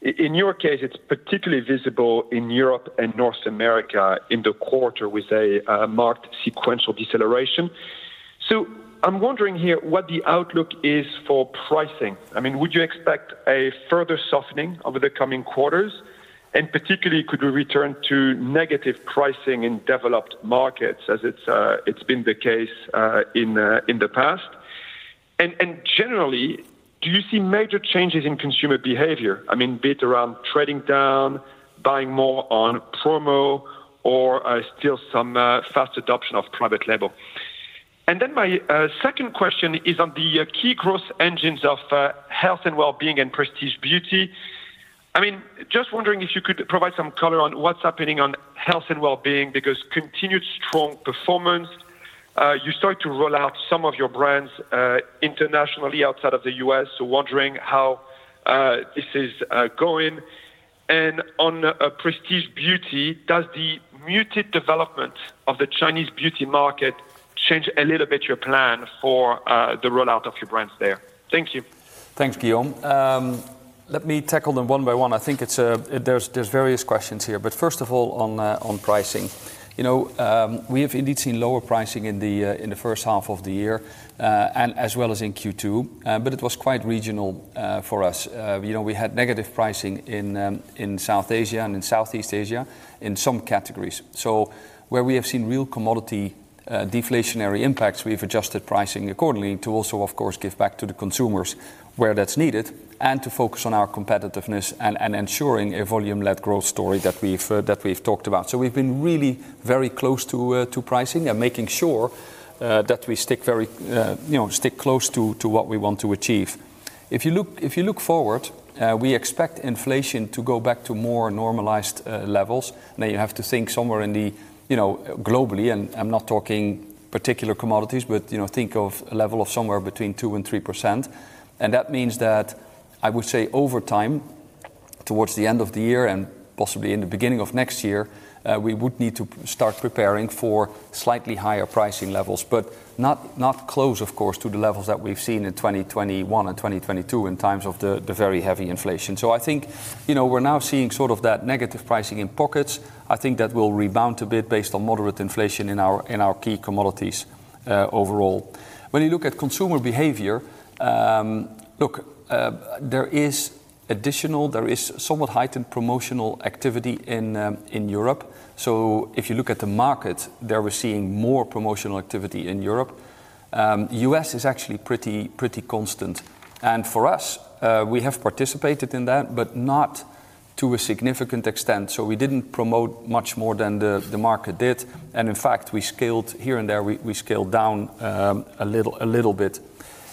In your case, it's particularly visible in Europe and North America in the quarter with a marked sequential deceleration. So I'm wondering here what the outlook is for pricing. I mean, would you expect a further softening over the coming quarters? And particularly, could we return to negative pricing in developed markets as it's been the case in the past? And generally, do you see major changes in consumer behavior? I mean, be it around trading down, buying more on promo, or still some fast adoption of private label. And then my second question is on the key growth engines of Health & Wellbeing and Prestige Beauty. I mean, just wondering if you could provide some color on what's happening on Health & Wellbeing, because continued strong performance, you start to roll out some of your brands internationally outside of the U.S., so wondering how this is going. And on Prestige Beauty, does the muted development of the Chinese beauty market change a little bit your plan for the rollout of your brands there? Thank you. Thanks, Guillaume. Let me tackle them one by one. I think it's, there's various questions here. But first of all, on pricing, you know, we have indeed seen lower pricing in the first half of the year, and as well as in Q2, but it was quite regional for us. You know, we had negative pricing in South Asia and in Southeast Asia in some categories. So where we have seen real commodity deflationary impacts, we've adjusted pricing accordingly to also, of course, give back to the consumers where that's needed, and to focus on our competitiveness and ensuring a volume-led growth story that we've talked about. So we've been really very close to, to pricing and making sure, that we stick very, you know, stick close to, to what we want to achieve. If you look, if you look forward, we expect inflation to go back to more normalized, levels. Now, you have to think somewhere in the... you know, globally, and I'm not talking particular commodities, but, you know, think of a level of somewhere between 2%-3%. And that means that, I would say, over time, towards the end of the year and possibly in the beginning of next year, we would need to start preparing for slightly higher pricing levels, but not, not close, of course, to the levels that we've seen in 2021 and 2022, in times of the, the very heavy inflation. So I think, you know, we're now seeing sort of that negative pricing in pockets. I think that will rebound a bit based on moderate inflation in our key commodities overall. When you look at consumer behavior, look, there is additional, there is somewhat heightened promotional activity in Europe. So if you look at the market, there we're seeing more promotional activity in Europe. U.S. is actually pretty constant. And for us, we have participated in that, but not to a significant extent, so we didn't promote much more than the market did, and in fact, we scaled here and there, we scaled down a little bit.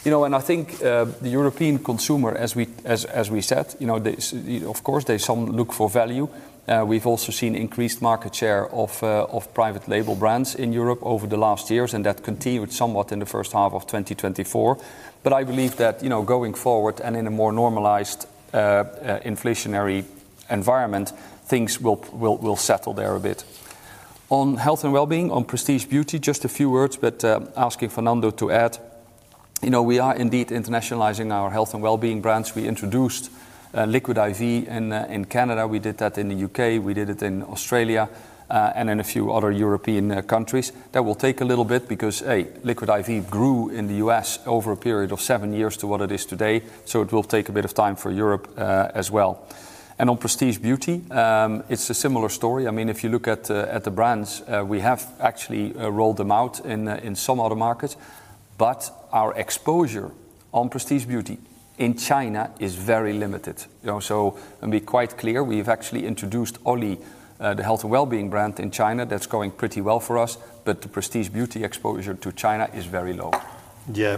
You know, and I think the European consumer, as we said, you know, they of course sometimes look for value. We've also seen increased market share of private label brands in Europe over the last years, and that continued somewhat in the first half of 2024. But I believe that, you know, going forward and in a more normalized inflationary environment, things will settle there a bit. On Health & Wellbeing, on Prestige Beauty, just a few words, but asking Fernando to add, you know, we are indeed internationalizing our Health & Wellbeing brands. We introduced Liquid I.V. in Canada, we did that in the U.K., we did it in Australia, and in a few other European countries. That will take a little bit because, A, Liquid I.V. grew in the U.S. over a period of seven years to what it is today, so it will take a bit of time for Europe, as well. On Prestige Beauty, it's a similar story. I mean, if you look at at the brands, we have actually rolled them out in in some other markets, but our exposure on Prestige Beauty in China is very limited, you know? So, and be quite clear, we've actually introduced Olly, the Health & Wellbeing brand in China. That's going pretty well for us, but the Prestige Beauty exposure to China is very low. Yeah,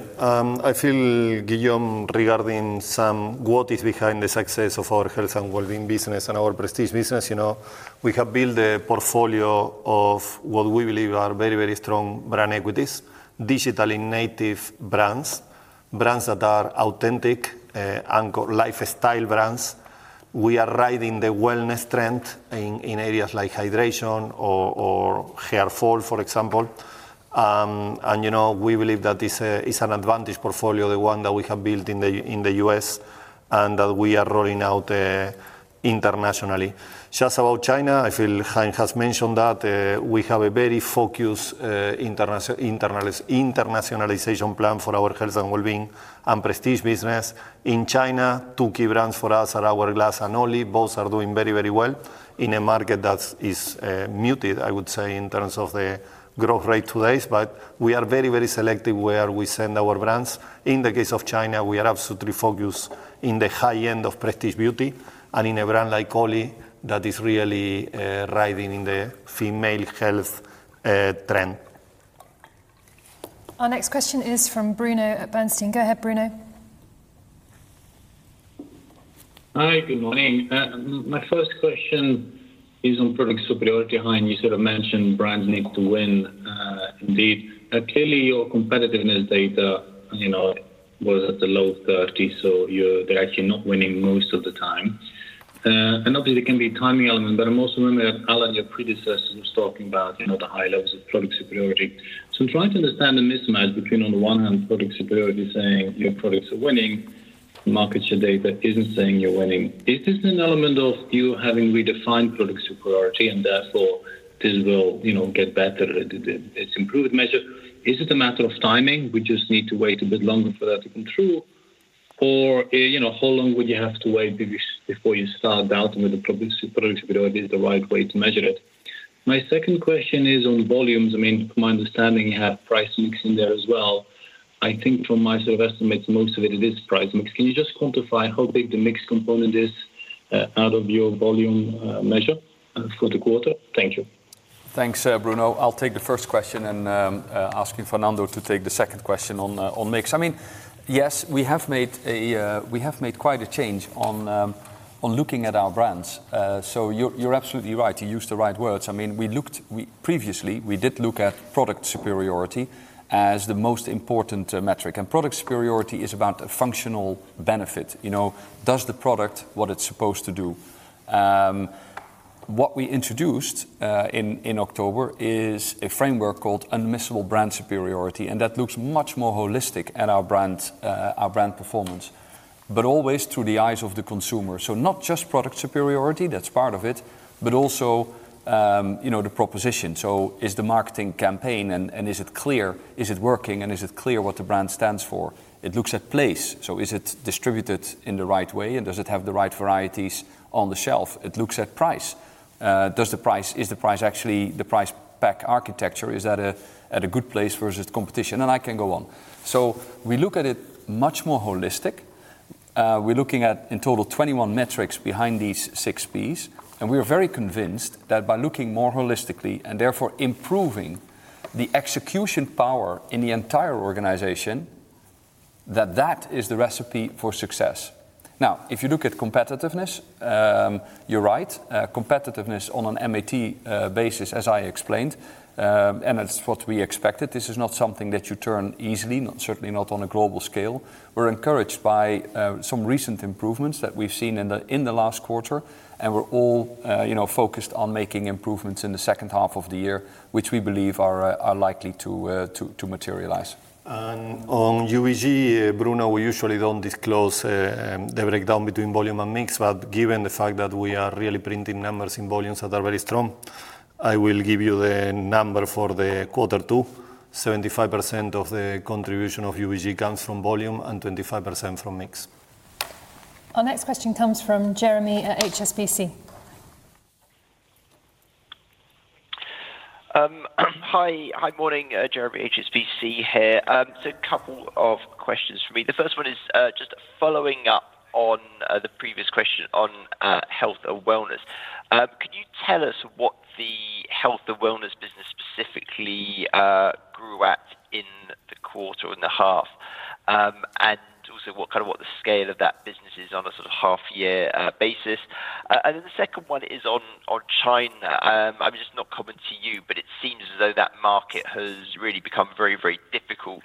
I feel, Guillaume, regarding some... what is behind the success of our Health & Wellbeing business and our Prestige business, you know, we have built a portfolio of what we believe are very, very strong brand equities, digitally native brands, brands that are authentic, and lifestyle brands. We are riding the wellness trend in, in areas like hydration or, or hair fall, for example. And, you know, we believe that this, is an advantage portfolio, the one that we have built in the, in the U.S., and that we are rolling out, internationally. Just about China, I feel Hein has mentioned that, we have a very focused, internationalization plan for our Health & Wellbeing and Prestige business. In China, two key brands for us are Hourglass and Olly. Both are doing very, very well in a market that is, muted, I would say, in terms of the growth rate today. But we are very, very selective where we send our brands. In the case of China, we are absolutely focused in the high end of Prestige Beauty and in a brand like Olly, that is really, riding in the female health, trend. Our next question is from Bruno at Bernstein. Go ahead, Bruno. Hi, good morning. My first question is on product superiority. Hein, you sort of mentioned brands need to win, indeed. Clearly, your competitiveness data, you know, was at the low thirties, so they're actually not winning most of the time. And obviously there can be a timing element, but I also remember Alan, your predecessor, was talking about, you know, the high levels of product superiority. So I'm trying to understand the mismatch between, on the one hand, product superiority saying your products are winning, market share data isn't saying you're winning. Is this an element of you having redefined product superiority, and therefore this will, you know, get better, it's improved measure? Is it a matter of timing, we just need to wait a bit longer for that to come true? Or, you know, how long would you have to wait before you start doubting whether product superiority is the right way to measure it? My second question is on volumes. I mean, from my understanding, you have price mix in there as well. I think from my sort of estimates, most of it is price mix. Can you just quantify how big the mix component is, out of your volume, measure, for the quarter? Thank you. Thanks, Bruno. I'll take the first question and ask Fernando to take the second question on the mix. I mean, yes, we have made quite a change on looking at our brands. So you're absolutely right. You used the right words. I mean, we looked. Previously, we did look at product superiority as the most important metric, and product superiority is about a functional benefit. You know, does the product what it's supposed to do? What we introduced in October is a framework called Unmissable Brand Superiority, and that looks much more holistic at our brand performance, but always through the eyes of the consumer. So not just product superiority, that's part of it, but also, you know, the proposition. So is the marketing campaign, and, and is it clear, is it working, and is it clear what the brand stands for? It looks at place, so is it distributed in the right way, and does it have the right varieties on the shelf? It looks at price. Does the price- is the price actually... the price pack architecture, is that at a, at a good place versus competition? And I can go on. So we look at it much more holistic. We're looking at, in total, 21 metrics behind these Six Ps, and we are very convinced that by looking more holistically, and therefore improving the execution power in the entire organization, that that is the recipe for success. Now, if you look at competitiveness, you're right. Competitiveness on an MAT basis, as I explained, and it's what we expected. This is not something that you turn easily, not certainly not on a global scale. We're encouraged by some recent improvements that we've seen in the last quarter, and we're all, you know, focused on making improvements in the second half of the year, which we believe are likely to materialize. On USG, Bruno, we usually don't disclose the breakdown between volume and mix, but given the fact that we are really printing numbers in volumes that are very strong, I will give you the number for quarter two. 75% of the contribution of USG comes from volume and 25% from mix. Our next question comes from Jeremy at HSBC. Hi. Hi, morning. Jeremy, HSBC here. So a couple of questions for me. The first one is, just following up on, the previous question on, Health & Wellness. Could you tell us what the Health & Wellness business specifically, grew at in the quarter and the half? And also what, kind of what the scale of that business is on a sort of half year, basis. And then the second one is on, on China. I'm just not coming to you, but it seems as though that market has really become very, very difficult,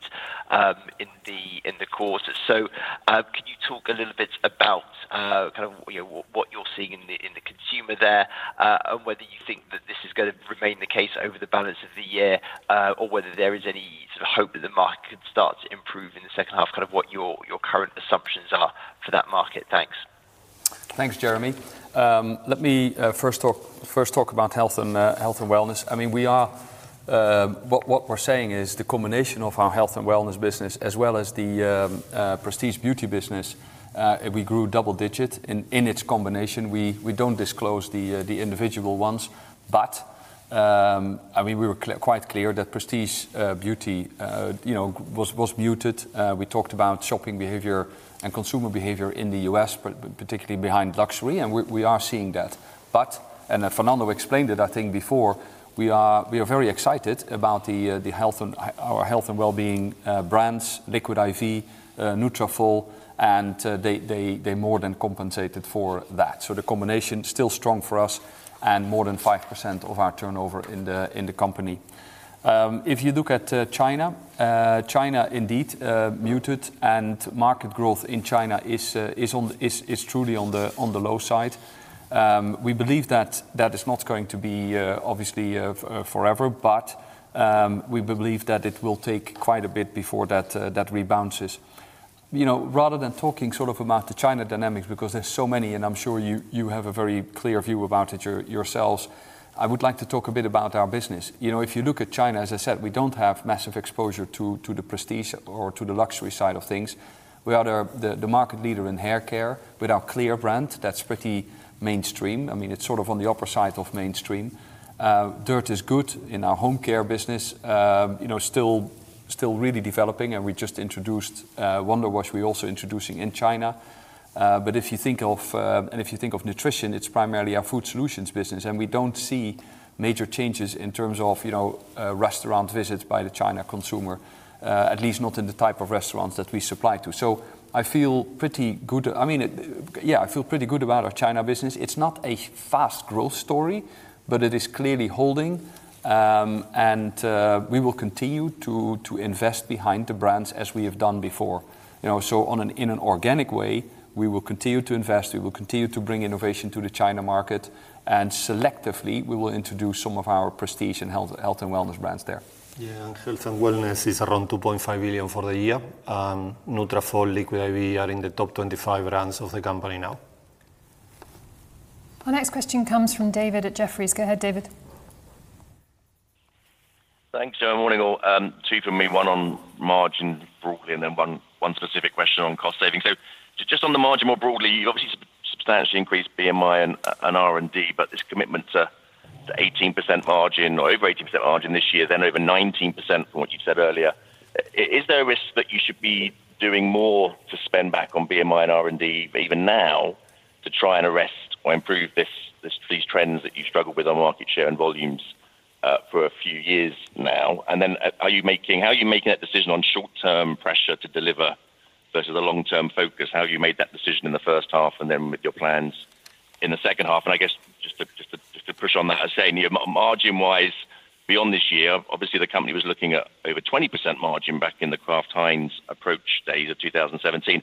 in the, in the quarter. Can you talk a little bit about, kind of, you know, what you're seeing in the consumer there, and whether you think that this is gonna remain the case over the balance of the year, or whether there is any sort of hope that the market could start to improve in the second half, kind of what your current assumptions are for that market? Thanks. Thanks, Jeremy. Let me first talk about Health & Wellness. I mean, we are. What we're saying is the combination of our Health & Wellness business, as well as the Prestige Beauty business, we grew double-digit in its combination. We don't disclose the individual ones, but... I mean, we were quite clear that Prestige Beauty, you know, was muted. We talked about shopping behavior and consumer behavior in the U.S., particularly behind luxury, and we are seeing that. But then Fernando explained it, I think, before, we are very excited about the Health and our Health & Wellbeing brands, Liquid I.V., Nutrafol, and they more than compensated for that. So the combination still strong for us, and more than 5% of our turnover in the company. If you look at China, China, indeed, muted, and market growth in China is truly on the low side. We believe that that is not going to be, obviously, forever, but we believe that it will take quite a bit before that rebounds. You know, rather than talking sort of about the China dynamics, because there's so many, and I'm sure you have a very clear view about it yourselves, I would like to talk a bit about our business. You know, if you look at China, as I said, we don't have massive exposure to the Prestige or to the luxury side of things. We are the market leader in haircare with our Clear brand. That's pretty mainstream. I mean, it's sort of on the upper side of mainstream. Dirt Is Good in our Home Care business, you know, still really developing, and we just introduced... Wonder Wash, we're also introducing in China. But if you think of, and if you think of Nutrition, it's primarily our Food Solutions business, and we don't see major changes in terms of, you know, restaurant visits by the China consumer, at least not in the type of restaurants that we supply to. So I feel pretty good... I mean, it, yeah, I feel pretty good about our China business. It's not a fast growth story, but it is clearly holding. And, we will continue to invest behind the brands as we have done before. You know, in an organic way, we will continue to invest, we will continue to bring innovation to the China market, and selectively, we will introduce some of our Prestige and Health & Wellness brands there. Yeah, and Health & Wellness is around 2.5 billion for the year. Nutrafol, Liquid I.V., are in the top 25 brands of the company now. Our next question comes from David at Jefferies. Go ahead, David. Thanks, Joe. Morning, all. Two from me, one on margin broadly, and then one specific question on cost savings. So just on the margin, more broadly, you obviously substantially increased BMI and R&D, but this commitment to 18% margin or over 18% margin this year, then over 19%, from what you said earlier, is there a risk that you should be doing more to spend back on BMI and R&D, but even now, to try and arrest or improve these trends that you've struggled with on market share and volumes for a few years now? And then, are you making... How are you making that decision on short-term pressure to deliver versus the long-term focus? How have you made that decision in the first half, and then with your plans in the second half? And I guess, just to push on that, as saying you're margin wise, beyond this year, obviously, the company was looking at over 20% margin back in the Kraft Heinz approach days of 2017.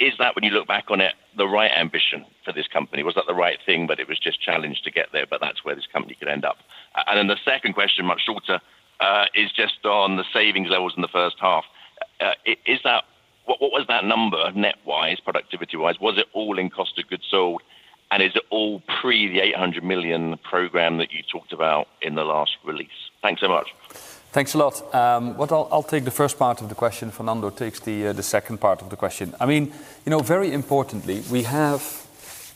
Is that, when you look back on it, the right ambition for this company? Was that the right thing, but it was just challenged to get there, but that's where this company could end up? And then the second question, much shorter, is just on the savings levels in the first half. Is that... What was that number net wise, productivity wise? Was it all in cost of goods sold, and is it all pre the 800 million program that you talked about in the last release? Thanks so much. Thanks a lot. What I'll... I'll take the first part of the question, Fernando takes the, the second part of the question. I mean, you know, very importantly, we have...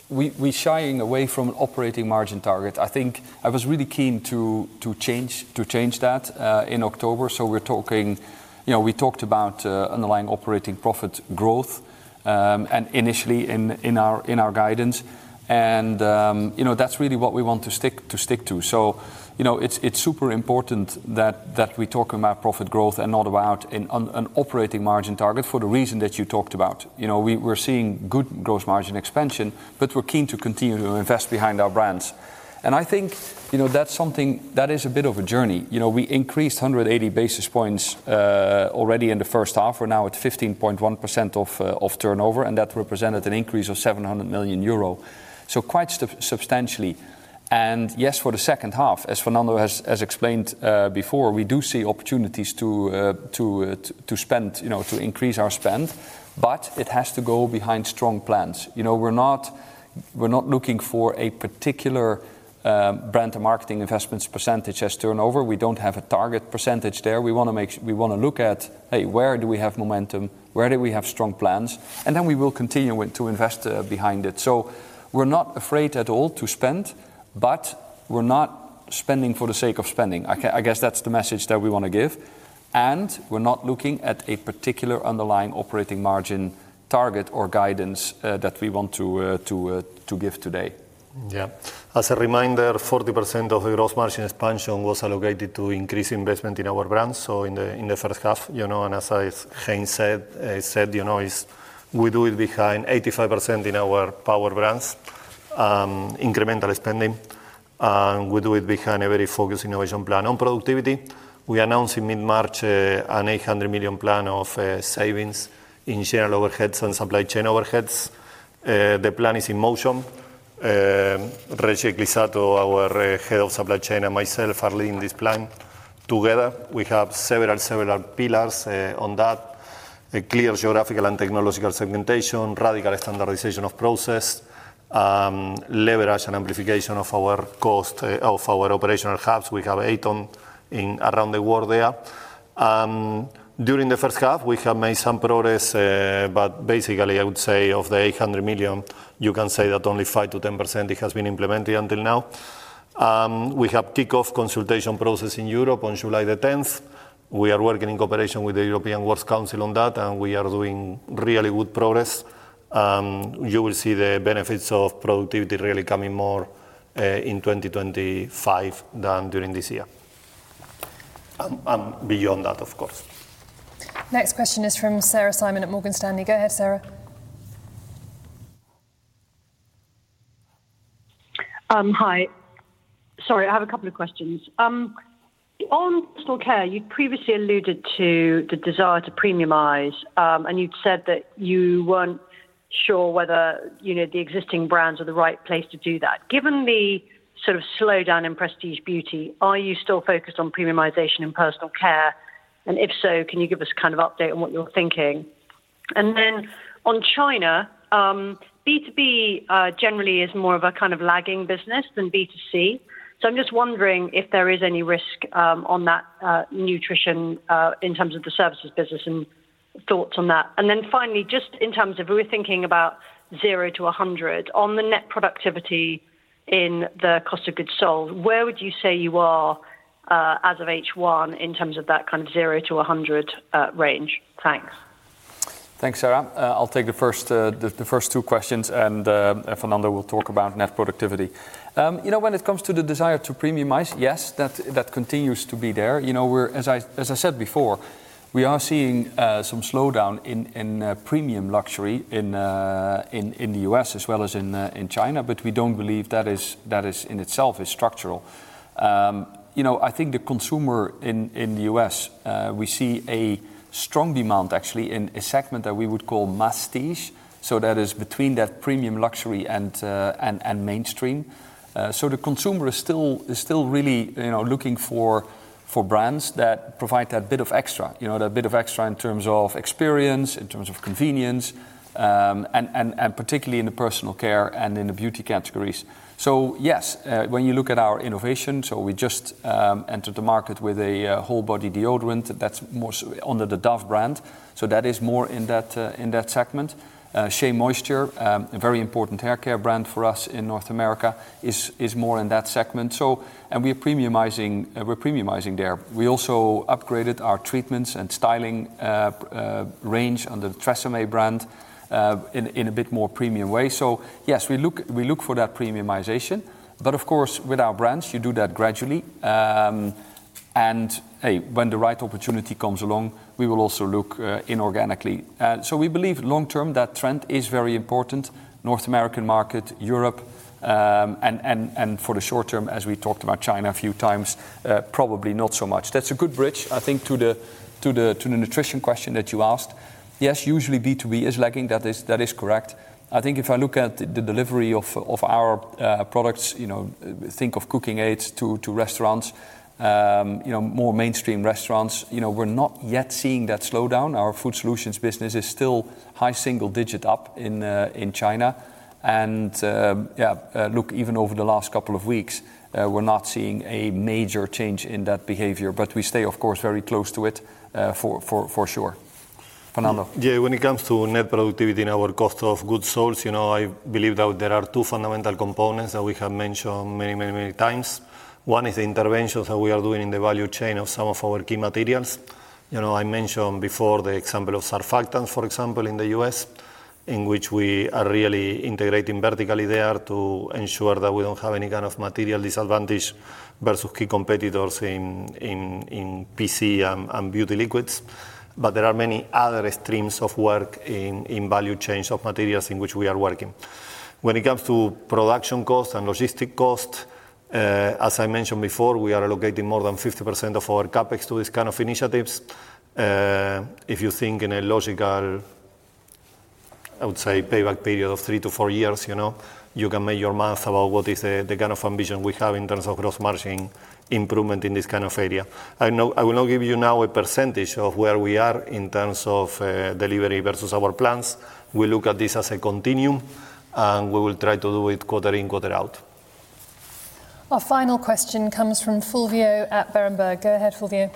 We, we're shying away from operating margin target. I think I was really keen to, to change, to change that, in October. So we're talking, you know, we talked about, underlying operating profit growth, and initially, in, in our, in our guidance, and, you know, that's really what we want to stick, to stick to. So, you know, it's, it's super important that, that we talk about profit growth and not about an an- an operating margin target for the reason that you talked about. You know, we- we're seeing good gross margin expansion, but we're keen to continue to invest behind our brands. I think, you know, that's something that is a bit of a journey. You know, we increased 180 basis points already in the first half. We're now at 15.1% of turnover, and that represented an increase of 700 million euro, so quite substantially. Yes, for the second half, as Fernando has explained before, we do see opportunities to spend, you know, to increase our spend, but it has to go behind strong plans. You know, we're not looking for a particular brand and marketing investments percentage as turnover. We don't have a target percentage there. We wanna make sure we wanna look at, "Hey, where do we have momentum? Where do we have strong plans?" And then we will continue to invest behind it. So we're not afraid at all to spend, but we're not spending for the sake of spending. I guess that's the message that we wanna give, and we're not looking at a particular underlying operating margin target or guidance that we want to give today. Yeah. As a reminder, 40% of the gross margin expansion was allocated to increase investment in our brands, so in the first half, you know, and as Hein said, you know, as we do it behind 85% in our Power Brands, incremental spending, and we do it behind a very focused innovation plan. On productivity, we announced in mid-March an 800 million plan of savings in general overheads and supply chain overheads. The plan is in motion. Reggie Ecclissato, our head of supply chain, and myself are leading this plan together. We have several pillars on that. A clear geographical and technological segmentation, radical standardization of process, leverage and amplification of our cost of our operational hubs. We have eight around the world there. During the first half, we have made some progress, but basically, I would say of the 800 million, you can say that only 5%-10% has been implemented until now. We have kick-off consultation process in Europe on July the 10th. We are working in cooperation with the European Works Council on that, and we are doing really good progress. You will see the benefits of productivity really coming more in 2025 than during this year, beyond that, of course. Next question is from Sarah Simon at Morgan Stanley. Go ahead, Sarah. Hi. Sorry, I have a couple of questions. On Personal Care, you previously alluded to the desire to premiumize, and you'd said that you weren't sure whether, you know, the existing brands are the right place to do that. Given the sort of slowdown in Prestige Beauty, are you still focused on premiumization in Personal Care? And if so, can you give us kind of update on what you're thinking? And then on China, B2B generally is more of a kind of lagging business than B2C. So I'm just wondering if there is any risk on that, Nutrition, in terms of the services business and thoughts on that. Then finally, just in terms of we're thinking about 0 to 100, on the net productivity in the cost of goods sold, where would you say you are, as of H1, in terms of that kind of 0 to 100 range? Thanks. Thanks, Sarah. I'll take the first two questions, and Fernando will talk about net productivity. You know, when it comes to the desire to premiumize, yes, that continues to be there. You know, as I said before, we are seeing some slowdown in premium luxury in the U.S. as well as in China, but we don't believe that, in itself, is structural. You know, I think the consumer in the U.S., we see a strong demand, actually, in a segment that we would call masstige, so that is between that premium luxury and mainstream. So the consumer is still really, you know, looking for brands that provide that bit of extra, you know, that bit of extra in terms of experience, in terms of convenience, and particularly in the Personal Care and in the Beauty categories. So yes, when you look at our innovation, we just entered the market with a whole body deodorant that's more so under the Dove brand, so that is more in that segment. SheaMoisture, a very important haircare brand for us in North America, is more in that segment. So... And we are premiumizing, we're premiumizing there. We also upgraded our treatments and styling range under the TRESemmé brand in a bit more premium way. So yes, we look, we look for that premiumization, but of course, with our brands, you do that gradually. And, hey, when the right opportunity comes along, we will also look, inorganically. So we believe long-term, that trend is very important, North American market, Europe, and for the short term, as we talked about China a few times, probably not so much. That's a good bridge, I think, to the Nutrition question that you asked. Yes, usually B2B is lagging. That is, that is correct. I think if I look at the delivery of our products, you know, think of cooking aids to restaurants, you know, more mainstream restaurants, you know, we're not yet seeing that slowdown. Our Food Solutions business is still high single digit up in China, and yeah, look, even over the last couple of weeks, we're not seeing a major change in that behavior, but we stay, of course, very close to it, for sure. Fernando? Yeah, when it comes to net productivity and our cost of goods sold, you know, I believe that there are two fundamental components that we have mentioned many, many, many times. One is the interventions that we are doing in the value chain of some of our key materials. You know, I mentioned before the example of surfactants, for example, in the U.S., in which we are really integrating vertically there to ensure that we don't have any kind of material disadvantage versus key competitors in, in, in PC and, and beauty liquids. But there are many other streams of work in, in value chains of materials in which we are working. When it comes to production cost and logistic cost, as I mentioned before, we are allocating more than 50% of our CapEx to these kind of initiatives. If you think in a logical, I would say, payback period of 3-4 years, you know, you can make your math about what is the kind of ambition we have in terms of gross margin improvement in this kind of area. I know, I will not give you now a percentage of where we are in terms of delivery versus our plans. We look at this as a continuum, and we will try to do it quarter in, quarter out. Our final question comes from Fulvio at Berenberg. Go ahead, Fulvio.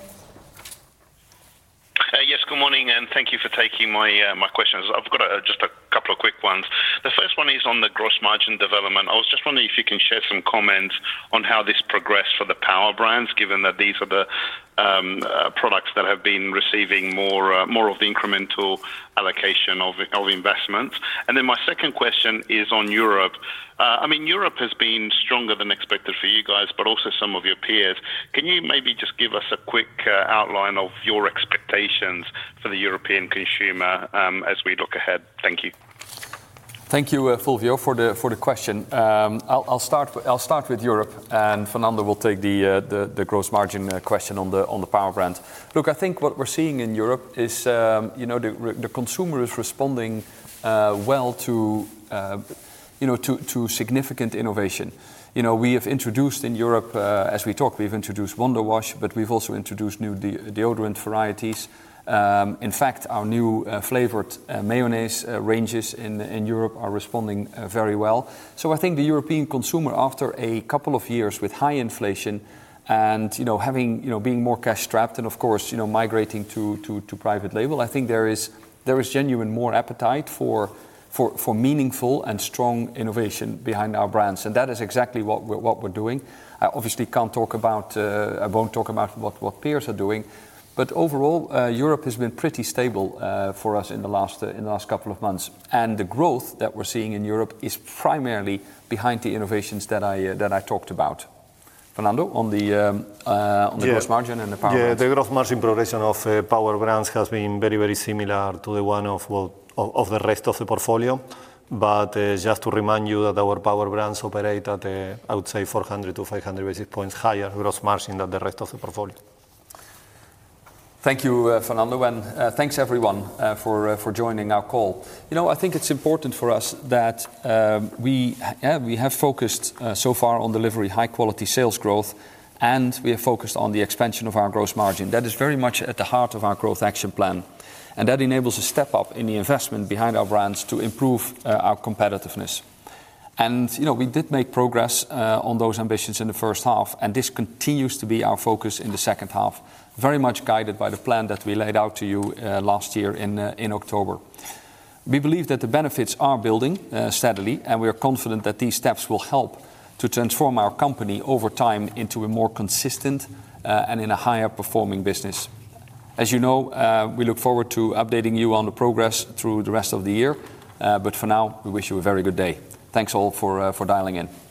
Yes, good morning, and thank you for taking my, my questions. I've got, just a couple of quick ones. The first one is on the gross margin development. I was just wondering if you can share some comments on how this progressed for the Power Brands, given that these are the, products that have been receiving more, more of the incremental allocation of, investments. And then my second question is on Europe. I mean, Europe has been stronger than expected for you guys, but also some of your peers. Can you maybe just give us a quick, outline of your expectations for the European consumer, as we look ahead? Thank you. Thank you, Fulvio, for the question. I'll start with Europe, and Fernando will take the gross margin question on the Power Brands. Look, I think what we're seeing in Europe is, you know, the consumer is responding well to, you know, to significant innovation. You know, we have introduced in Europe, as we talk, we've introduced Wonder Wash, but we've also introduced new deodorant varieties. In fact, our new flavored mayonnaise ranges in Europe are responding very well. So I think the European consumer, after a couple of years with high inflation and, you know, having... You know, being more cash-strapped and, of course, you know, migrating to private label, I think there is genuine more appetite for meaningful and strong innovation behind our brands, and that is exactly what we're doing. I obviously can't talk about, I won't talk about what peers are doing, but overall, Europe has been pretty stable for us in the last couple of months, and the growth that we're seeing in Europe is primarily behind the innovations that I talked about. Fernando, on the- Yeah... on the gross margin and the Power Brands. Yeah, the gross margin progression of Power Brands has been very, very similar to the one of, well, of the rest of the portfolio. But, just to remind you, that our Power Brands operate at a, I would say, 400-500 basis points higher gross margin than the rest of the portfolio. Thank you, Fernando, and thanks, everyone, for joining our call. You know, I think it's important for us that, yeah, we have focused so far on delivering high-quality sales growth, and we have focused on the expansion of our gross margin. That is very much at the heart of our Growth Action Plan, and that enables a step up in the investment behind our brands to improve our competitiveness. You know, we did make progress on those ambitions in the first half, and this continues to be our focus in the second half, very much guided by the plan that we laid out to you last year in October. We believe that the benefits are building steadily, and we are confident that these steps will help to transform our company over time into a more consistent and in a higher-performing business. As you know, we look forward to updating you on the progress through the rest of the year, but for now, we wish you a very good day. Thanks, all, for dialing in.